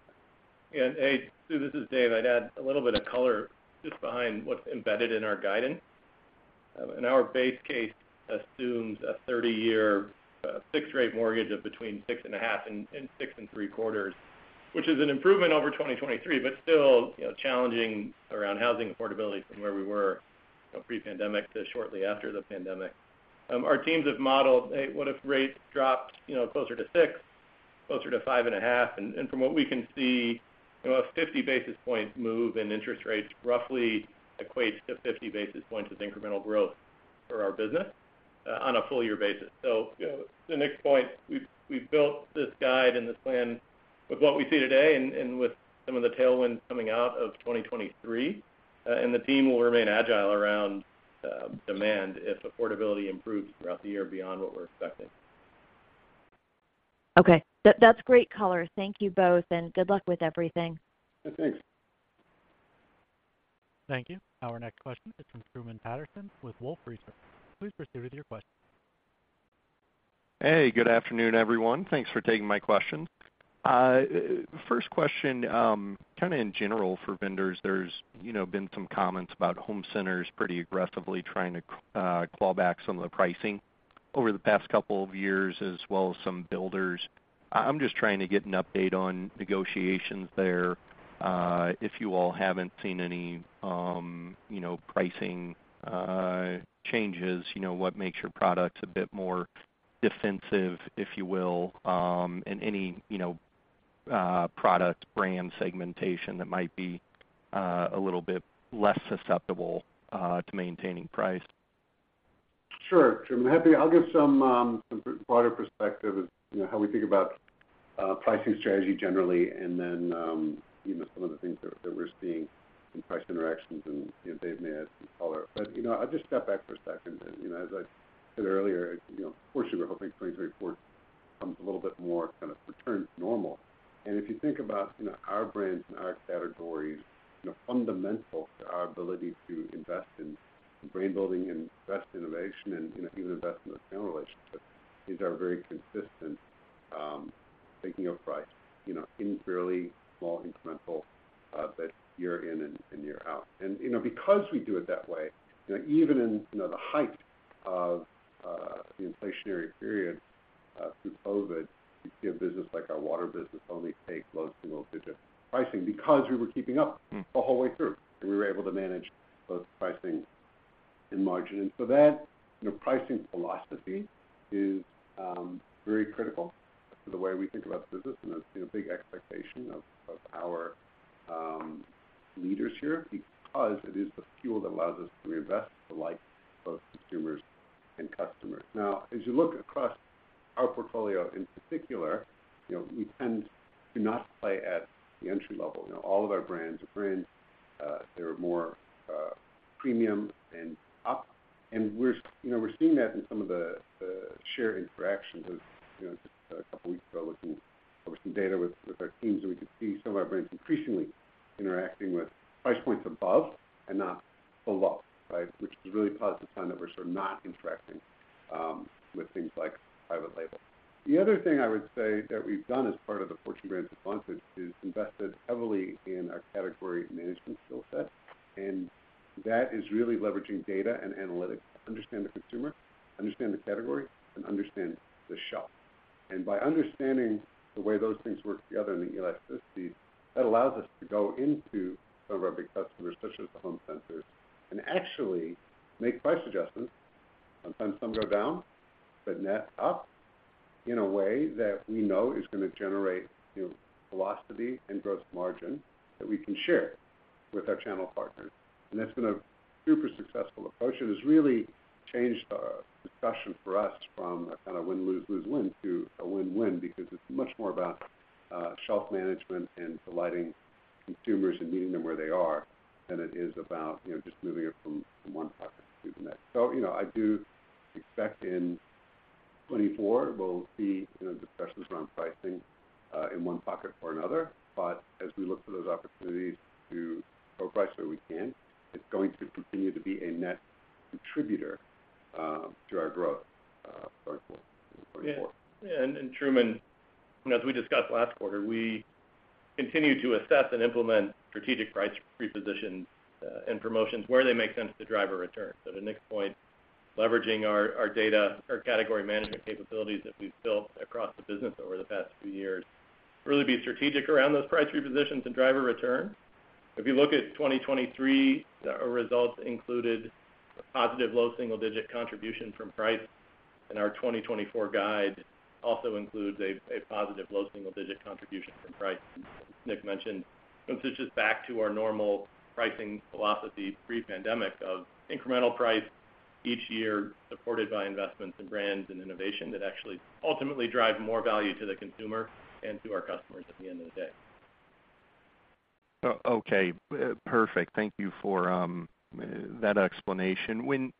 hey, Sue, this is Dave. I'd add a little bit of color just behind what's embedded in our guidance. Our base case assumes a 30-year fixed rate mortgage of between 6.5% and 6.75%, which is an improvement over 2023, but still, you know, challenging around housing affordability from where we were, you know, pre-pandemic to shortly after the pandemic. Our teams have modeled, hey, what if rates dropped, you know, closer to 6%, closer to 5.5%? And from what we can see, you know, a 50 basis point move in interest rates roughly equates to 50 basis points of incremental growth for our business, on a full year basis. So, you know, to Nick's point, we've built this guide and this plan with what we see today and with some of the tailwinds coming out of 2023. And the team will remain agile around demand if affordability improves throughout the year beyond what we're expecting. Okay. That, that's great color. Thank you both, and good luck with everything. Thanks. Thank you. Our next question is from Truman Patterson with Wolfe Research. Please proceed with your question. Hey, good afternoon, everyone. Thanks for taking my question. First question, kind of in general for vendors, there's, you know, been some comments about home centers pretty aggressively trying to claw back some of the pricing over the past couple of years, as well as some builders. I'm just trying to get an update on negotiations there. If you all haven't seen any, you know, pricing changes, you know, what makes your products a bit more defensive, if you will, and any, you know, product brand segmentation that might be a little bit less susceptible to maintaining price? Sure, I'm happy... I'll give some, some broader perspective of, you know, how we think about pricing strategy generally, and then, you know, some of the things that we're seeing in price interactions, and, you know, Dave may add some color. But, you know, I'll just step back for a second. You know, as I said earlier, you know, of course, we were hoping 2024 comes a little bit more kind of return to normal. If you think about, you know, our brands and our categories, you know, fundamental to our ability to invest in brand building and invest in innovation and, you know, even invest in the channel relationship, these are very consistent thinking of price, you know, in fairly small, incremental, but year in and year out. You know, because we do it that way, you know, even in the height of the inflationary period through COVID, you see a business like our water business only take low single digit pricing because we were keeping up the whole way through, and we were able to manage both pricing and margin. So that, you know, pricing philosophy is very critical to the way we think about business, and it's a big expectation of our leaders here because it is the fuel that allows us to reinvest the likes of both consumers and customers. Now, as you look across our portfolio in particular, you know, we tend to not play at the entry level. You know, all of our brands are brands that are more premium and up. We're, you know, seeing that in some of the share interactions. As you know, just a couple weeks ago, looking over some data with our teams, and we could see some of our brands increasingly interacting with price points above and not below, right? Which is a really positive sign that we're sort of not interacting with things like private label. The other thing I would say that we've done as part of the Fortune Brands sponsored is invested heavily in our category management skill set, and that is really leveraging data and analytics to understand the consumer, understand the category, and understand the shop. And by understanding the way those things work together and the elasticity, that allows us to go into some of our big customers, such as the home centers, and actually make price adjustments. Sometimes some go down, but net up in a way that we know is going to generate, you know, velocity and gross margin that we can share with our channel partners. That's been a super successful approach. It has really changed our discussion for us from a kind of win-lose, lose-win to a win-win, because it's much more about shelf management and delighting consumers and meeting them where they are, than it is about, you know, just moving it from one pocket to the next. So, you know, I do expect in 2024, we'll see, you know, discussions around pricing in one pocket or another. But as we look for those opportunities to lower price where we can, it's going to continue to be a net contributor to our growth for 2024. Yeah. Truman, as we discussed last quarter, we continue to assess and implement strategic price reposition and promotions where they make sense to drive a return. To Nick's point, leveraging our data, our category management capabilities that we've built across the business over the past few years, really be strategic around those price repositions and drive a return. If you look at 2023, our results included a positive low single digit contribution from price, and our 2024 guide also includes a positive low single digit contribution from price. Nick mentioned, this is just back to our normal pricing philosophy pre-pandemic of incremental price each year, supported by investments in brands and innovation that actually ultimately drive more value to the consumer and to our customers at the end of the day. Okay, perfect. Thank you for that explanation. When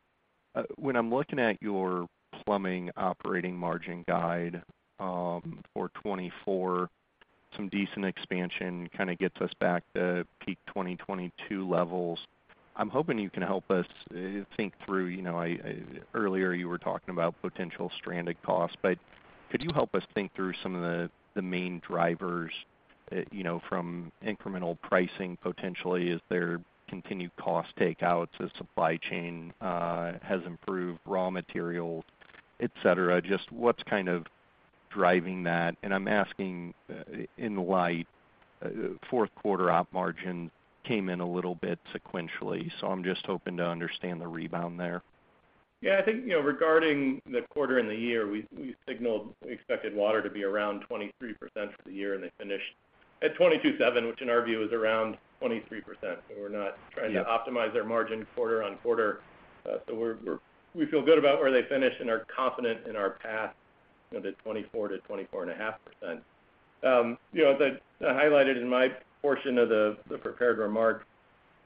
I'm looking at your plumbing operating margin guide for 2024, some decent expansion, kind of gets us back to peak 2022 levels. I'm hoping you can help us think through, you know, earlier, you were talking about potential stranded costs, but could you help us think through some of the main drivers, you know, from incremental pricing, potentially? Is there continued cost takeouts as supply chain has improved, raw materials, et cetera? Just what's kind of driving that? And I'm asking in light, fourth quarter op margin came in a little bit sequentially, so I'm just hoping to understand the rebound there. Yeah, I think, you know, regarding the quarter and the year, we signaled we expected water to be around 23% for the year, and they finished at 22.7%, which in our view, is around 23%. So we're not- Yeah... trying to optimize their margin quarter on quarter. So we feel good about where they finish and are confident in our path of the 24%-24.5%. You know, I highlighted in my portion of the prepared remarks,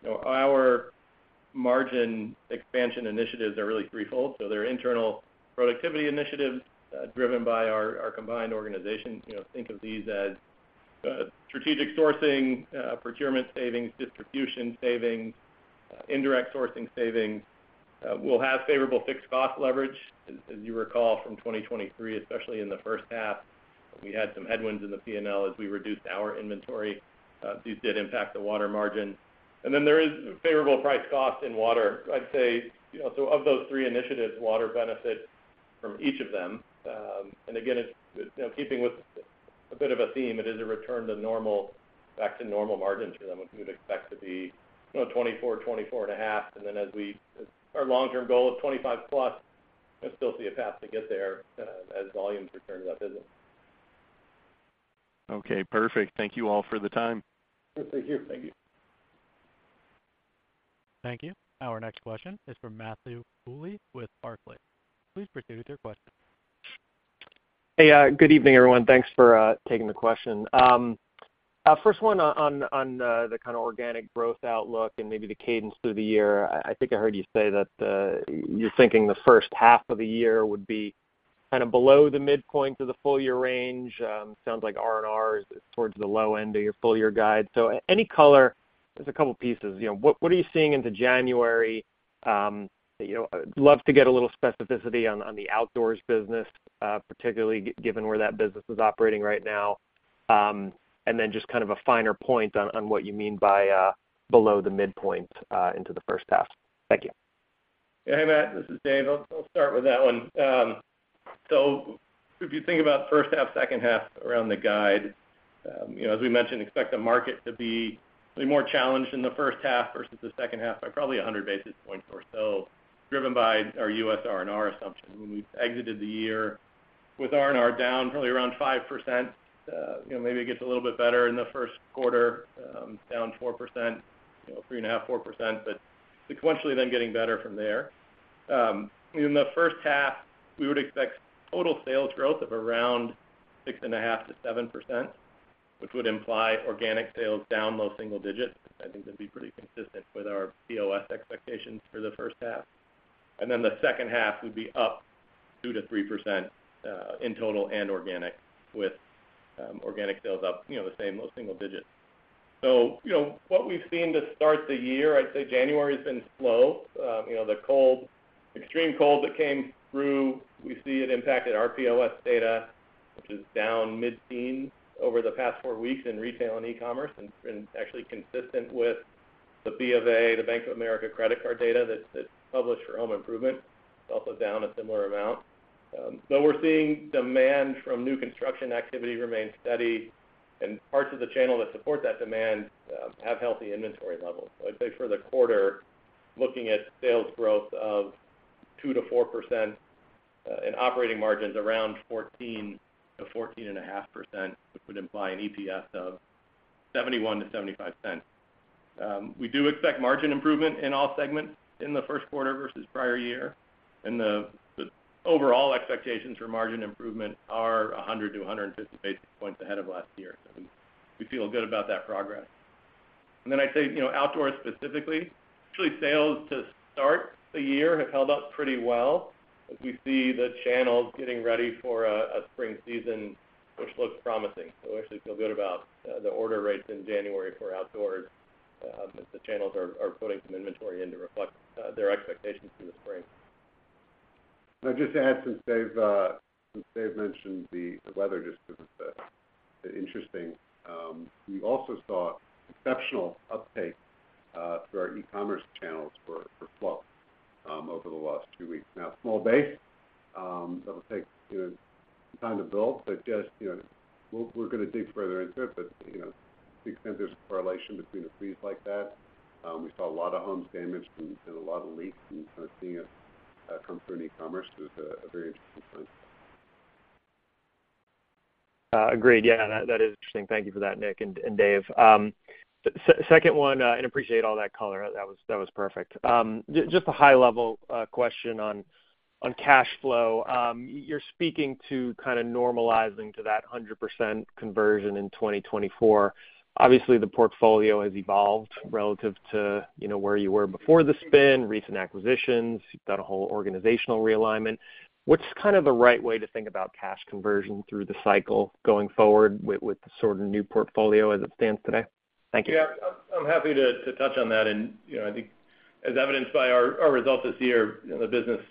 you know, our margin expansion initiatives are really threefold. So they're internal productivity initiatives driven by our combined organizations. You know, think of these as strategic sourcing, procurement savings, distribution savings, indirect sourcing savings. We'll have favorable fixed cost leverage. As you recall from 2023, especially in the first half, we had some headwinds in the P&L as we reduced our inventory. These did impact the water margin. And then there is favorable price cost in water. I'd say, you know, so of those three initiatives, water benefits from each of them. And again, it's, you know, keeping with a bit of a theme, it is a return to normal, back to normal margins for them, which we would expect to be, you know, 24%, 24.5%. And then our long-term goal of 25%+, I still see a path to get there, as volumes return to that business. Okay, perfect. Thank you all for the time. Thank you. Thank you. Thank you. Our next question is from Matthew Bouley with Barclays. Please proceed with your question. Hey, good evening, everyone. Thanks for taking the question. First one on the kind of organic growth outlook and maybe the cadence through the year. I think I heard you say that you're thinking the first half of the year would be kind of below the midpoint of the full year range. Sounds like R&R is towards the low end of your full year guide. So any color, there's a couple pieces. You know, what are you seeing into January? You know, I'd love to get a little specificity on the outdoors business, particularly given where that business is operating right now. And then just kind of a finer point on what you mean by below the midpoint into the first half. Thank you. Hey, Matt, this is Dave. I'll start with that one. So if you think about first half, second half around the guide, you know, as we mentioned, expect the market to be more challenged in the first half versus the second half by probably 100 basis points or so, driven by our US R&R assumption. When we exited the year with R&R down, probably around 5%, you know, maybe it gets a little bit better in the first quarter, down 3.5%-4%, but sequentially then getting better from there. In the first half, we would expect total sales growth of around 6.5%-7%, which would imply organic sales down low single digits. I think that'd be pretty consistent with our POS expectations for the first half.... And then the second half would be up 2%-3% in total and organic, with organic sales up, you know, the same, low single digit. So, you know, what we've seen to start the year, I'd say January's been slow. You know, the cold, extreme cold that came through, we see it impacted our POS data, which is down mid-teens over the past four weeks in retail and e-commerce, and actually consistent with the BofA, the Bank of America credit card data that's published for home improvement, it's also down a similar amount. So we're seeing demand from new construction activity remain steady, and parts of the channel that support that demand have healthy inventory levels. So I'd say for the quarter, looking at sales growth of 2%-4%, and operating margins around 14%-14.5%, which would imply an EPS of $0.71-$0.75. We do expect margin improvement in all segments in the first quarter versus prior year, and the overall expectations for margin improvement are 100-150 basis points ahead of last year. So we feel good about that progress. And then I'd say, you know, outdoor specifically, actually, sales to start the year have held up pretty well. As we see the channels getting ready for a spring season, which looks promising. So we actually feel good about the order rates in January for outdoors, as the channels are putting some inventory in to reflect their expectations for the spring. And just to add, since Dave, since Dave mentioned the, the weather, just because it's interesting. We also saw exceptional uptake through our e-commerce channels for Flo over the last two weeks. Now, small base, that'll take, you know, some time to build, but just, you know, we'll-- we're going to dig further into it. But, you know, to the extent there's a correlation between the freeze like that, we saw a lot of homes damaged and, and a lot of leaks, and sort of seeing it come through in e-commerce is a very interesting trend. Agreed. Yeah, that is interesting. Thank you for that, Nick and Dave. Second one, and appreciate all that color. That was perfect. Just a high-level question on cash flow. You're speaking to kind of normalizing to that 100% conversion in 2024. Obviously, the portfolio has evolved relative to, you know, where you were before the spin, recent acquisitions. You've done a whole organizational realignment. What's kind of the right way to think about cash conversion through the cycle going forward with the sort of new portfolio as it stands today? Thank you. Yeah, I'm happy to touch on that. And, you know, I think as evidenced by our results this year, the business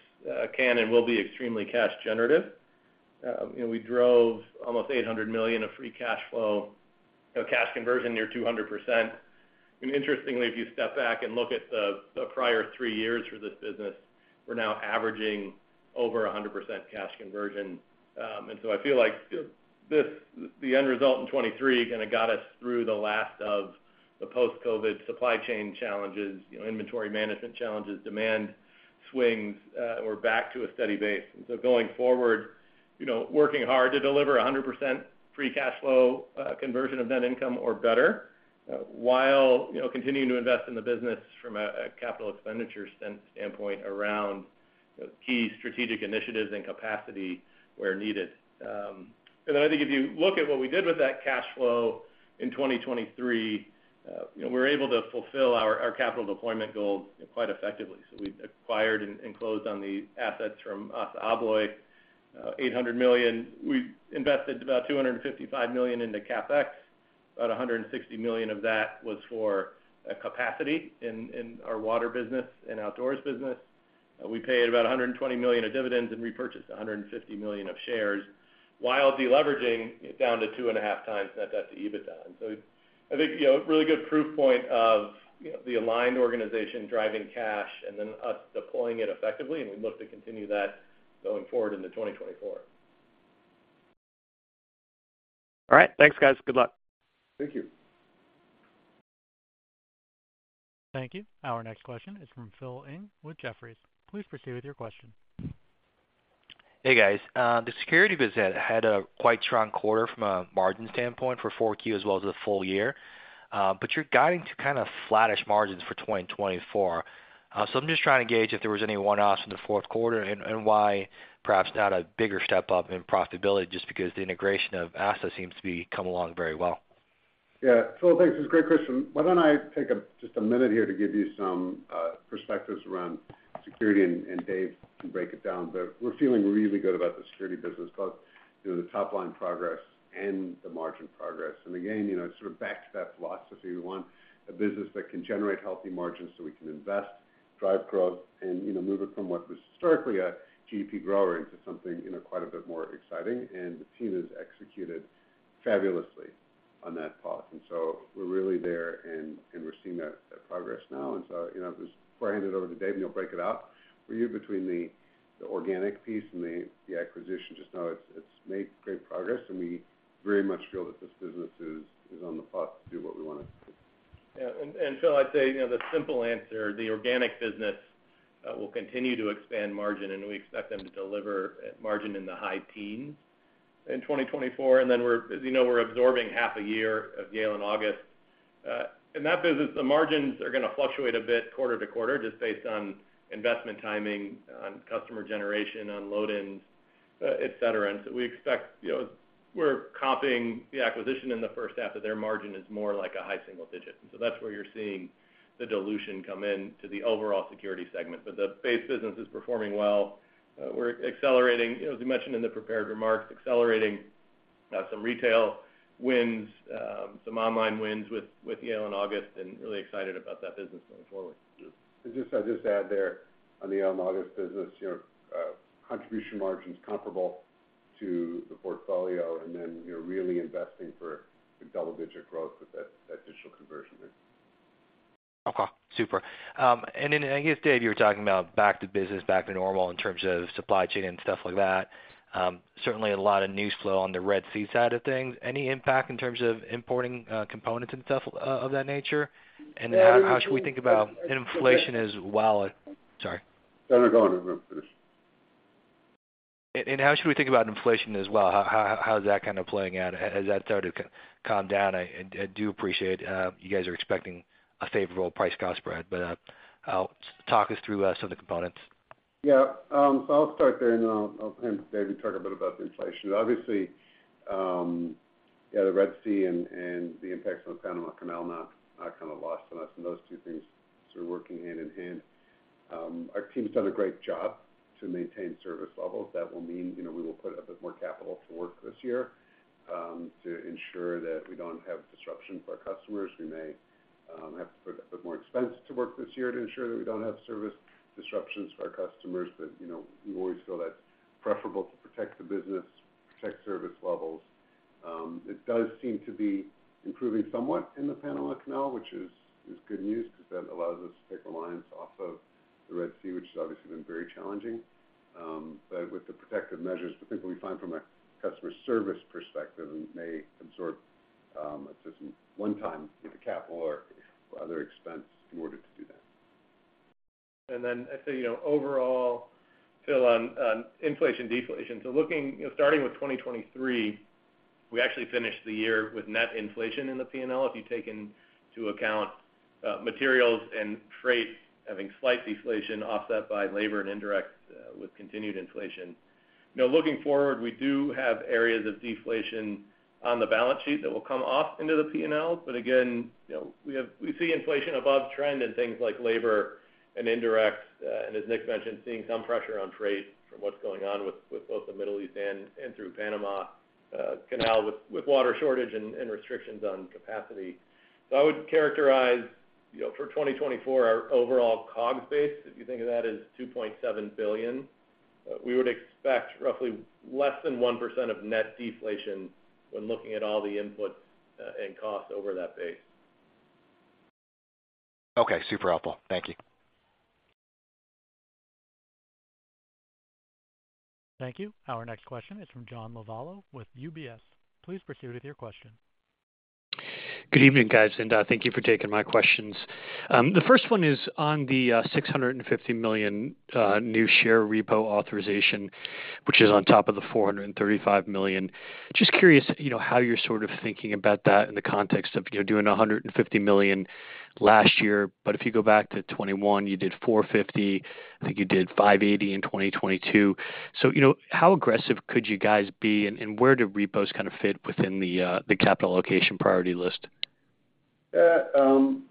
can and will be extremely cash generative. You know, we drove almost $800 million of free cash flow, a cash conversion near 200%. And interestingly, if you step back and look at the prior three years for this business, we're now averaging over 100% cash conversion. And so I feel like the end result in 2023, kind of, got us through the last of the post-COVID supply chain challenges, you know, inventory management challenges, demand swings, we're back to a steady base. And so going forward, you know, working hard to deliver 100% free cash flow conversion of net income or better, while, you know, continuing to invest in the business from a capital expenditure standpoint around key strategic initiatives and capacity where needed. And then I think if you look at what we did with that cash flow in 2023, you know, we were able to fulfill our capital deployment goals quite effectively. So we acquired and closed on the assets from ASSA ABLOY, $800 million. We invested about $255 million into CapEx, about $160 million of that was for capacity in our water business and outdoors business. We paid about $120 million of dividends and repurchased $150 million of shares, while deleveraging it down to 2.5x net debt to EBITDA. And so I think, you know, a really good proof point of, you know, the aligned organization driving cash and then us deploying it effectively, and we look to continue that going forward into 2024. All right. Thanks, guys. Good luck. Thank you. Thank you. Our next question is from Phil Ng with Jefferies. Please proceed with your question. Hey, guys. The security business had a quite strong quarter from a margin standpoint for 4Q as well as the full year. But you're guiding to kind of flattish margins for 2024. So I'm just trying to gauge if there was any one-offs in the fourth quarter and, and why perhaps not a bigger step up in profitability, just because the integration of ASSA seems to be coming along very well. Yeah. Phil, thanks. It's a great question. Why don't I take just a minute here to give you some perspectives around security, and Dave can break it down. But we're feeling really good about the security business, both, you know, the top-line progress and the margin progress. And again, you know, it sort of backs to that philosophy. We want a business that can generate healthy margins so we can invest, drive growth, and, you know, move it from what was historically a GP grower into something, you know, quite a bit more exciting. And the team has executed fabulously on that policy. And so we're really there, and, and we're seeing that, that progress now. And so, you know, just before I hand it over to Dave, and he'll break it out, we're here between the, the organic piece and the, the acquisition. Just know it's made great progress, and we very much feel that this business is on the path to do what we want it to do. Yeah. And, and Phil, I'd say, you know, the simple answer, the organic business will continue to expand margin, and we expect them to deliver margin in the high teens in 2024. And then we're—as you know, we're absorbing half a year of Yale and August. In that business, the margins are going to fluctuate a bit quarter to quarter, just based on investment timing, on customer generation, on load-ins... et cetera. And so we expect, you know, we're comping the acquisition in the first half of their margin is more like a high single digit. So that's where you're seeing the dilution come in to the overall security segment. But the base business is performing well. We're accelerating, you know, as we mentioned in the prepared remarks, accelerating some retail wins, some online wins with, with Yale and August, and really excited about that business going forward. Just, I'll just add there on the Yale and August business, you know, contribution margin is comparable to the portfolio, and then you're really investing for the double-digit growth with that digital conversion there. Okay, super. And then I guess, Dave, you were talking about back to business, back to normal in terms of supply chain and stuff like that. Certainly a lot of news flow on the Red Sea side of things. Any impact in terms of importing components and stuff of that nature? And how should we think about inflation as well? Sorry. No, no, go on. I'm going to finish. How should we think about inflation as well? How is that kind of playing out? Has that started to calm down? I do appreciate you guys are expecting a favorable price-cost spread, but talk us through some of the components. Yeah. So I'll start there, and then I'll, I'll have David talk a bit about the inflation. Obviously, yeah, the Red Sea and the impacts on the Panama Canal, not kind of lost on us, and those two things sort of working hand in hand. Our team's done a great job to maintain service levels. That will mean, you know, we will put a bit more capital to work this year, to ensure that we don't have disruption for our customers. We may have to put a bit more expense to work this year to ensure that we don't have service disruptions to our customers, but, you know, we always feel that's preferable to protect the business, protect service levels. It does seem to be improving somewhat in the Panama Canal, which is good news, because that allows us to take reliance off of the Red Sea, which has obviously been very challenging. But with the protective measures, I think what we find from a customer service perspective, and may absorb, it's just one time either capital or other expense in order to do that. I'd say, you know, overall, Phil, on inflation deflation. So looking, you know, starting with 2023, we actually finished the year with net inflation in the P&L. If you take into account, materials and freight, having slight deflation offset by labor and indirect, with continued inflation. You know, looking forward, we do have areas of deflation on the balance sheet that will come off into the P&L. But again, you know, we have we see inflation above trend in things like labor and indirect, and as Nick mentioned, seeing some pressure on trade from what's going on with both the Middle East and through Panama Canal, with water shortage and restrictions on capacity. So I would characterize, you know, for 2024, our overall COGS base, if you think of that, as $2.7 billion. We would expect roughly less than 1% of net deflation when looking at all the inputs and costs over that base. Okay, super helpful. Thank you. Thank you. Our next question is from John Lovallo with UBS. Please proceed with your question. Good evening, guys, and, thank you for taking my questions. The first one is on the, $650 million new share repo authorization, which is on top of the $435 million. Just curious, you know, how you're sort of thinking about that in the context of, you know, doing $150 million last year, but if you go back to 2021, you did $450 million. I think you did $580 million in 2022. So, you know, how aggressive could you guys be, and, and where do repos kind of fit within the, the capital allocation priority list? Yeah, John,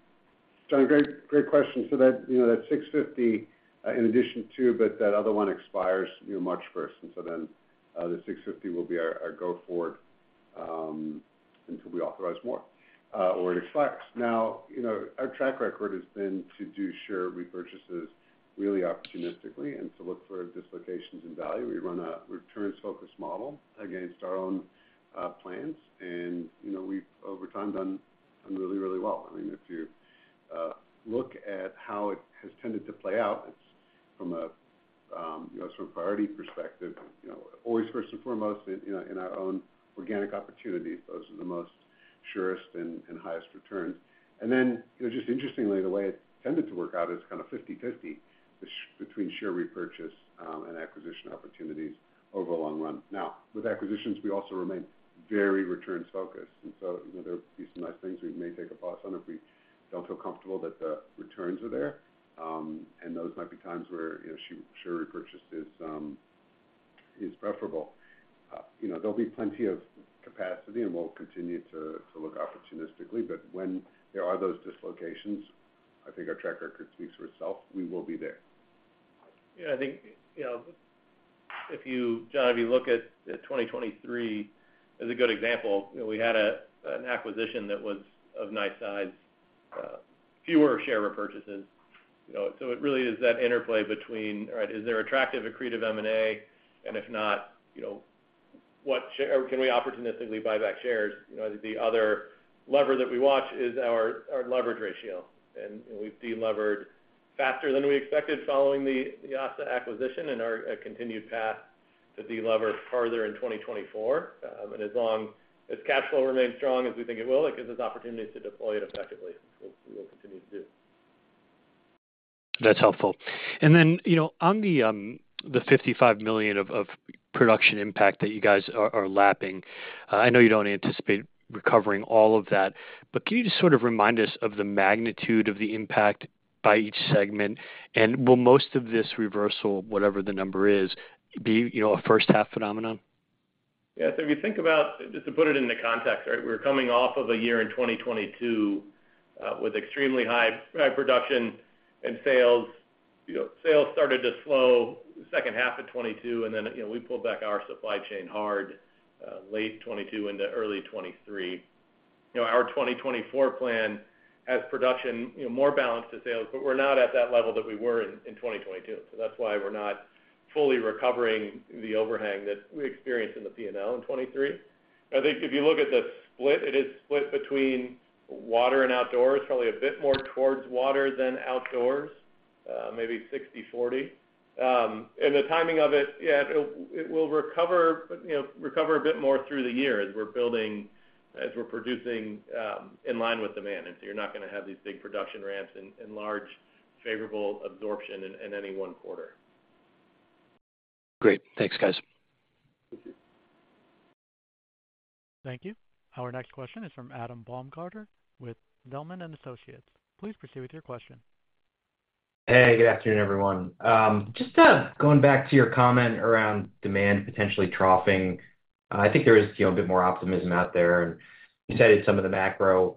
great, great question. So that, you know, that $650 million, in addition to, but that other one expires, you know, March first, and so then, the $650 million will be our, our go forward, until we authorize more, or it expires. Now, you know, our track record has been to do share repurchases really opportunistically and to look for dislocations in value. We run a returns-focused model against our own, plans, and, you know, we've over time done, done really, really well. I mean, if you, look at how it has tended to play out, it's from a, you know, sort of priority perspective, you know, always first and foremost in, you know, in our own organic opportunities, those are the most surest and, and highest returns. Then, you know, just interestingly, the way it tended to work out is kind of 50/50 between share repurchase and acquisition opportunities over the long run. Now, with acquisitions, we also remain very returns focused, and so, you know, there would be some nice things we may take a pass on if we don't feel comfortable that the returns are there. And those might be times where, you know, share repurchase is preferable. You know, there'll be plenty of capacity, and we'll continue to look opportunistically, but when there are those dislocations, I think our track record speaks for itself, we will be there. Yeah, I think, you know, if you... John, if you look at 2023 as a good example, you know, we had a, an acquisition that was of nice size, fewer share repurchases. You know, so it really is that interplay between, all right, is there attractive, accretive M&A? And if not, you know, what share- or can we opportunistically buy back shares? You know, the other lever that we watch is our, our leverage ratio, and we've delevered faster than we expected following the Yale acquisition and our, continued path to delever farther in 2024. And as long as cash flow remains strong as we think it will, it gives us opportunities to deploy it effectively. We'll, we'll continue to do. That's helpful. And then, you know, on the $55 million of production impact that you guys are lapping, I know you don't anticipate recovering all of that, but can you just sort of remind us of the magnitude of the impact by each segment? And will most of this reversal, whatever the number is, be, you know, a first half phenomenon?... Yeah, so if you think about just to put it into context, right? We're coming off of a year in 2022 with extremely high, high production and sales. You know, sales started to slow second half of 2022, and then, you know, we pulled back our supply chain hard late 2022 into early 2023. You know, our 2024 plan has production, you know, more balanced to sales, but we're not at that level that we were in 2022. So that's why we're not fully recovering the overhang that we experienced in the P&L in 2023. I think if you look at the split, it is split between water and outdoors, probably a bit more towards water than outdoors, maybe 60/40. And the timing of it, yeah, it will recover, but, you know, recover a bit more through the year as we're producing in line with demand. And so you're not gonna have these big production ramps and large favorable absorption in any one quarter. Great. Thanks, guys. Thank you. Thank you. Our next question is from Adam Baumgarten with Zelman and Associates. Please proceed with your question. Hey, good afternoon, everyone. Just going back to your comment around demand potentially troughing. I think there is, you know, a bit more optimism out there, and you cited some of the macro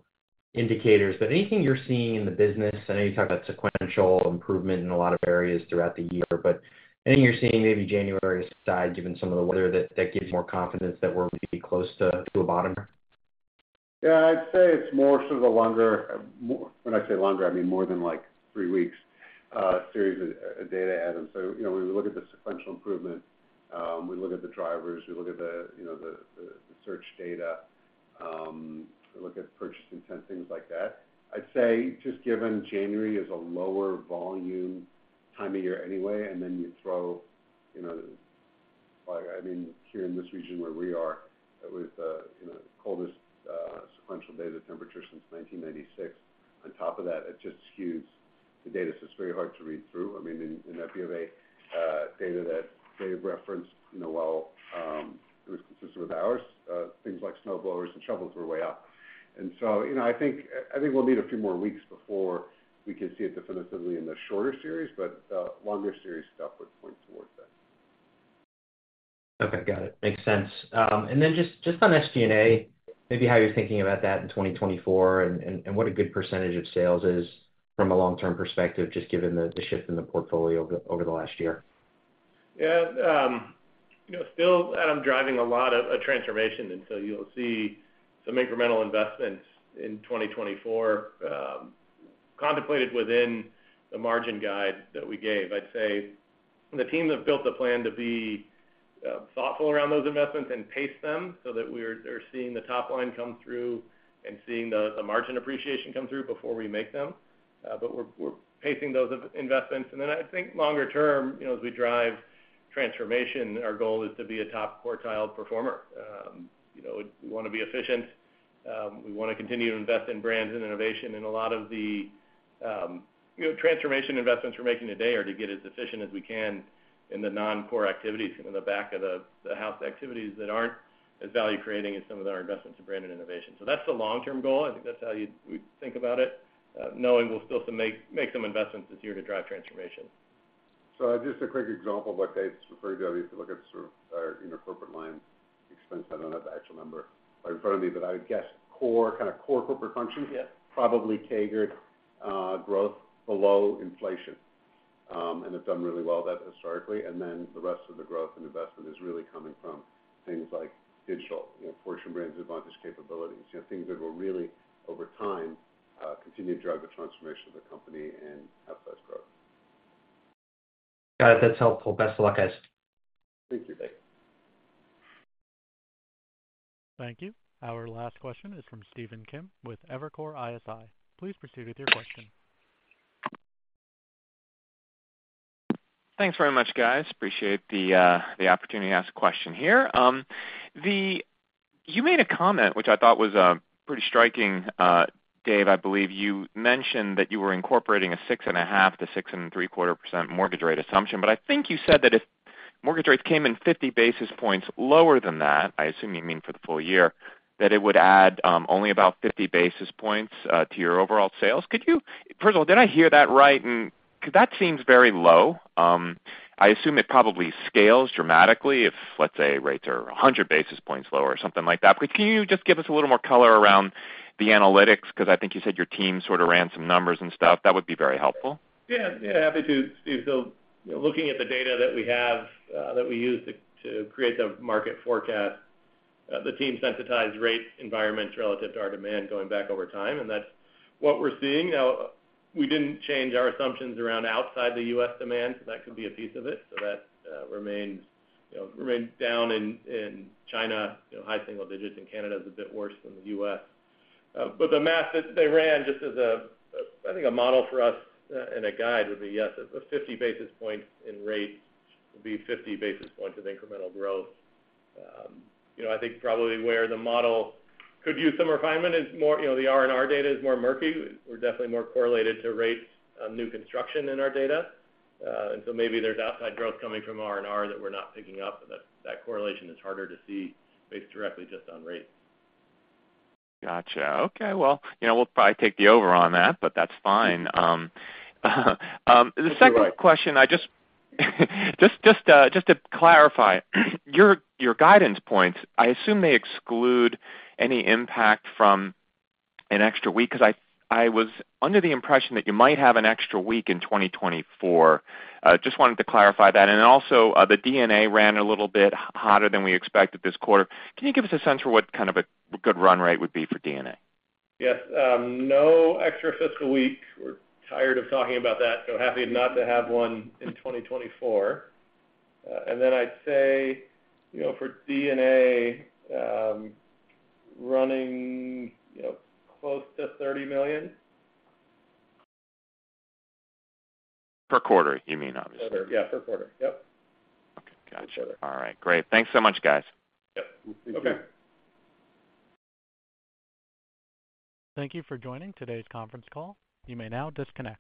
indicators, but anything you're seeing in the business? I know you talked about sequential improvement in a lot of areas throughout the year, but anything you're seeing, maybe January aside, given some of the weather, that gives you more confidence that we're maybe close to a bottom? Yeah, I'd say it's more sort of a longer, more... When I say longer, I mean more than, like, three weeks, series of data adding. So, you know, when we look at the sequential improvement, we look at the drivers, we look at the, you know, the search data, we look at purchase intent, things like that. I'd say, just given January is a lower volume time of year anyway, and then you throw, you know, I mean, here in this region where we are, with, you know, the coldest sequential day, the temperature since 1996. On top of that, it just skews the data, so it's very hard to read through. I mean, in that BofA data that Dave referenced, you know, while it was consistent with ours, things like snowblowers and shovels were way up. You know, I think, I think we'll need a few more weeks before we can see it definitively in the shorter series, but longer series stuff would point towards that. Okay, got it. Makes sense. And then just, just on SG&A, maybe how you're thinking about that in 2024, and what a good percentage of sales is from a long-term perspective, just given the shift in the portfolio over the last year. Yeah, you know, still, Adam, driving a lot of transformation, and so you'll see some incremental investments in 2024, contemplated within the margin guide that we gave. I'd say the team have built the plan to be thoughtful around those investments and pace them so that they're seeing the top line come through and seeing the margin appreciation come through before we make them. But we're pacing those investments. And then I think longer term, you know, as we drive transformation, our goal is to be a top quartile performer. You know, we wanna be efficient, we wanna continue to invest in brands and innovation. And a lot of the you know, transformation investments we're making today are to get as efficient as we can in the non-core activities, you know, the back of the house activities that aren't as value-creating as some of our investments in brand and innovation. So that's the long-term goal. I think that's how we'd think about it, knowing we'll still make some investments this year to drive transformation. So just a quick example of what Dave's referring to, if you look at sort of our intercorporate line expense, I don't have the actual number right in front of me, but I would guess core, kind of, core corporate functions- Yeah. probably CAGR growth below inflation. And have done really well that historically, and then the rest of the growth and investment is really coming from things like digital, you know, Fortune Brands Advantage capabilities, you know, things that will really, over time, continue to drive the transformation of the company and have fast growth. Got it. That's helpful. Best of luck, guys. Thank you. Thank you. Our last question is from Stephen Kim with Evercore ISI. Please proceed with your question. Thanks very much, guys. Appreciate the opportunity to ask a question here. You made a comment which I thought was pretty striking, Dave. I believe you mentioned that you were incorporating a 6.5%-6.75% mortgage rate assumption, but I think you said that if mortgage rates came in 50 basis points lower than that, I assume you mean for the full year, that it would add only about 50 basis points to your overall sales. Could you first of all, did I hear that right? Because that seems very low, I assume it probably scales dramatically if, let's say, rates are 100 basis points lower or something like that. But can you just give us a little more color around the analytics? Because I think you said your team sort of ran some numbers and stuff. That would be very helpful. Yeah. Yeah, happy to, Steve. So, you know, looking at the data that we have, that we use to, to create the market forecast, the team sensitized rate environments relative to our demand going back over time, and that's what we're seeing now. We didn't change our assumptions around outside the U.S. demand, so that could be a piece of it. So that, remains, you know, remains down in, in China, you know, high single digits, and Canada is a bit worse than the U.S. But the math that they ran, just as a, I think, a model for us and a guide, would be, yes, a 50 basis points in rates would be 50 basis points of incremental growth. You know, I think probably where the model could use some refinement is more, you know, the R&R data is more murky. We're definitely more correlated to rates, new construction in our data. And so maybe there's outside growth coming from R&R that we're not picking up, but that correlation is harder to see based directly just on rates. Gotcha. Okay, well, you know, we'll probably take the over on that, but that's fine. The second question, just to clarify. Your guidance points, I assume they exclude any impact from an extra week, because I was under the impression that you might have an extra week in 2024. Just wanted to clarify that. And then also, the D&A ran a little bit hotter than we expected this quarter. Can you give us a sense for what kind of a good run rate would be for D&A? Yes. No extra fiscal week. We're tired of talking about that, so happy not to have one in 2024. And then I'd say, you know, for D&A, running, you know, close to $30 million. Per quarter, you mean, obviously? Per quarter. Yeah, per quarter. Yep. Okay, got it. Sure. All right, great. Thanks so much, guys. Yep. Okay. Thank you for joining today's conference call. You may now disconnect.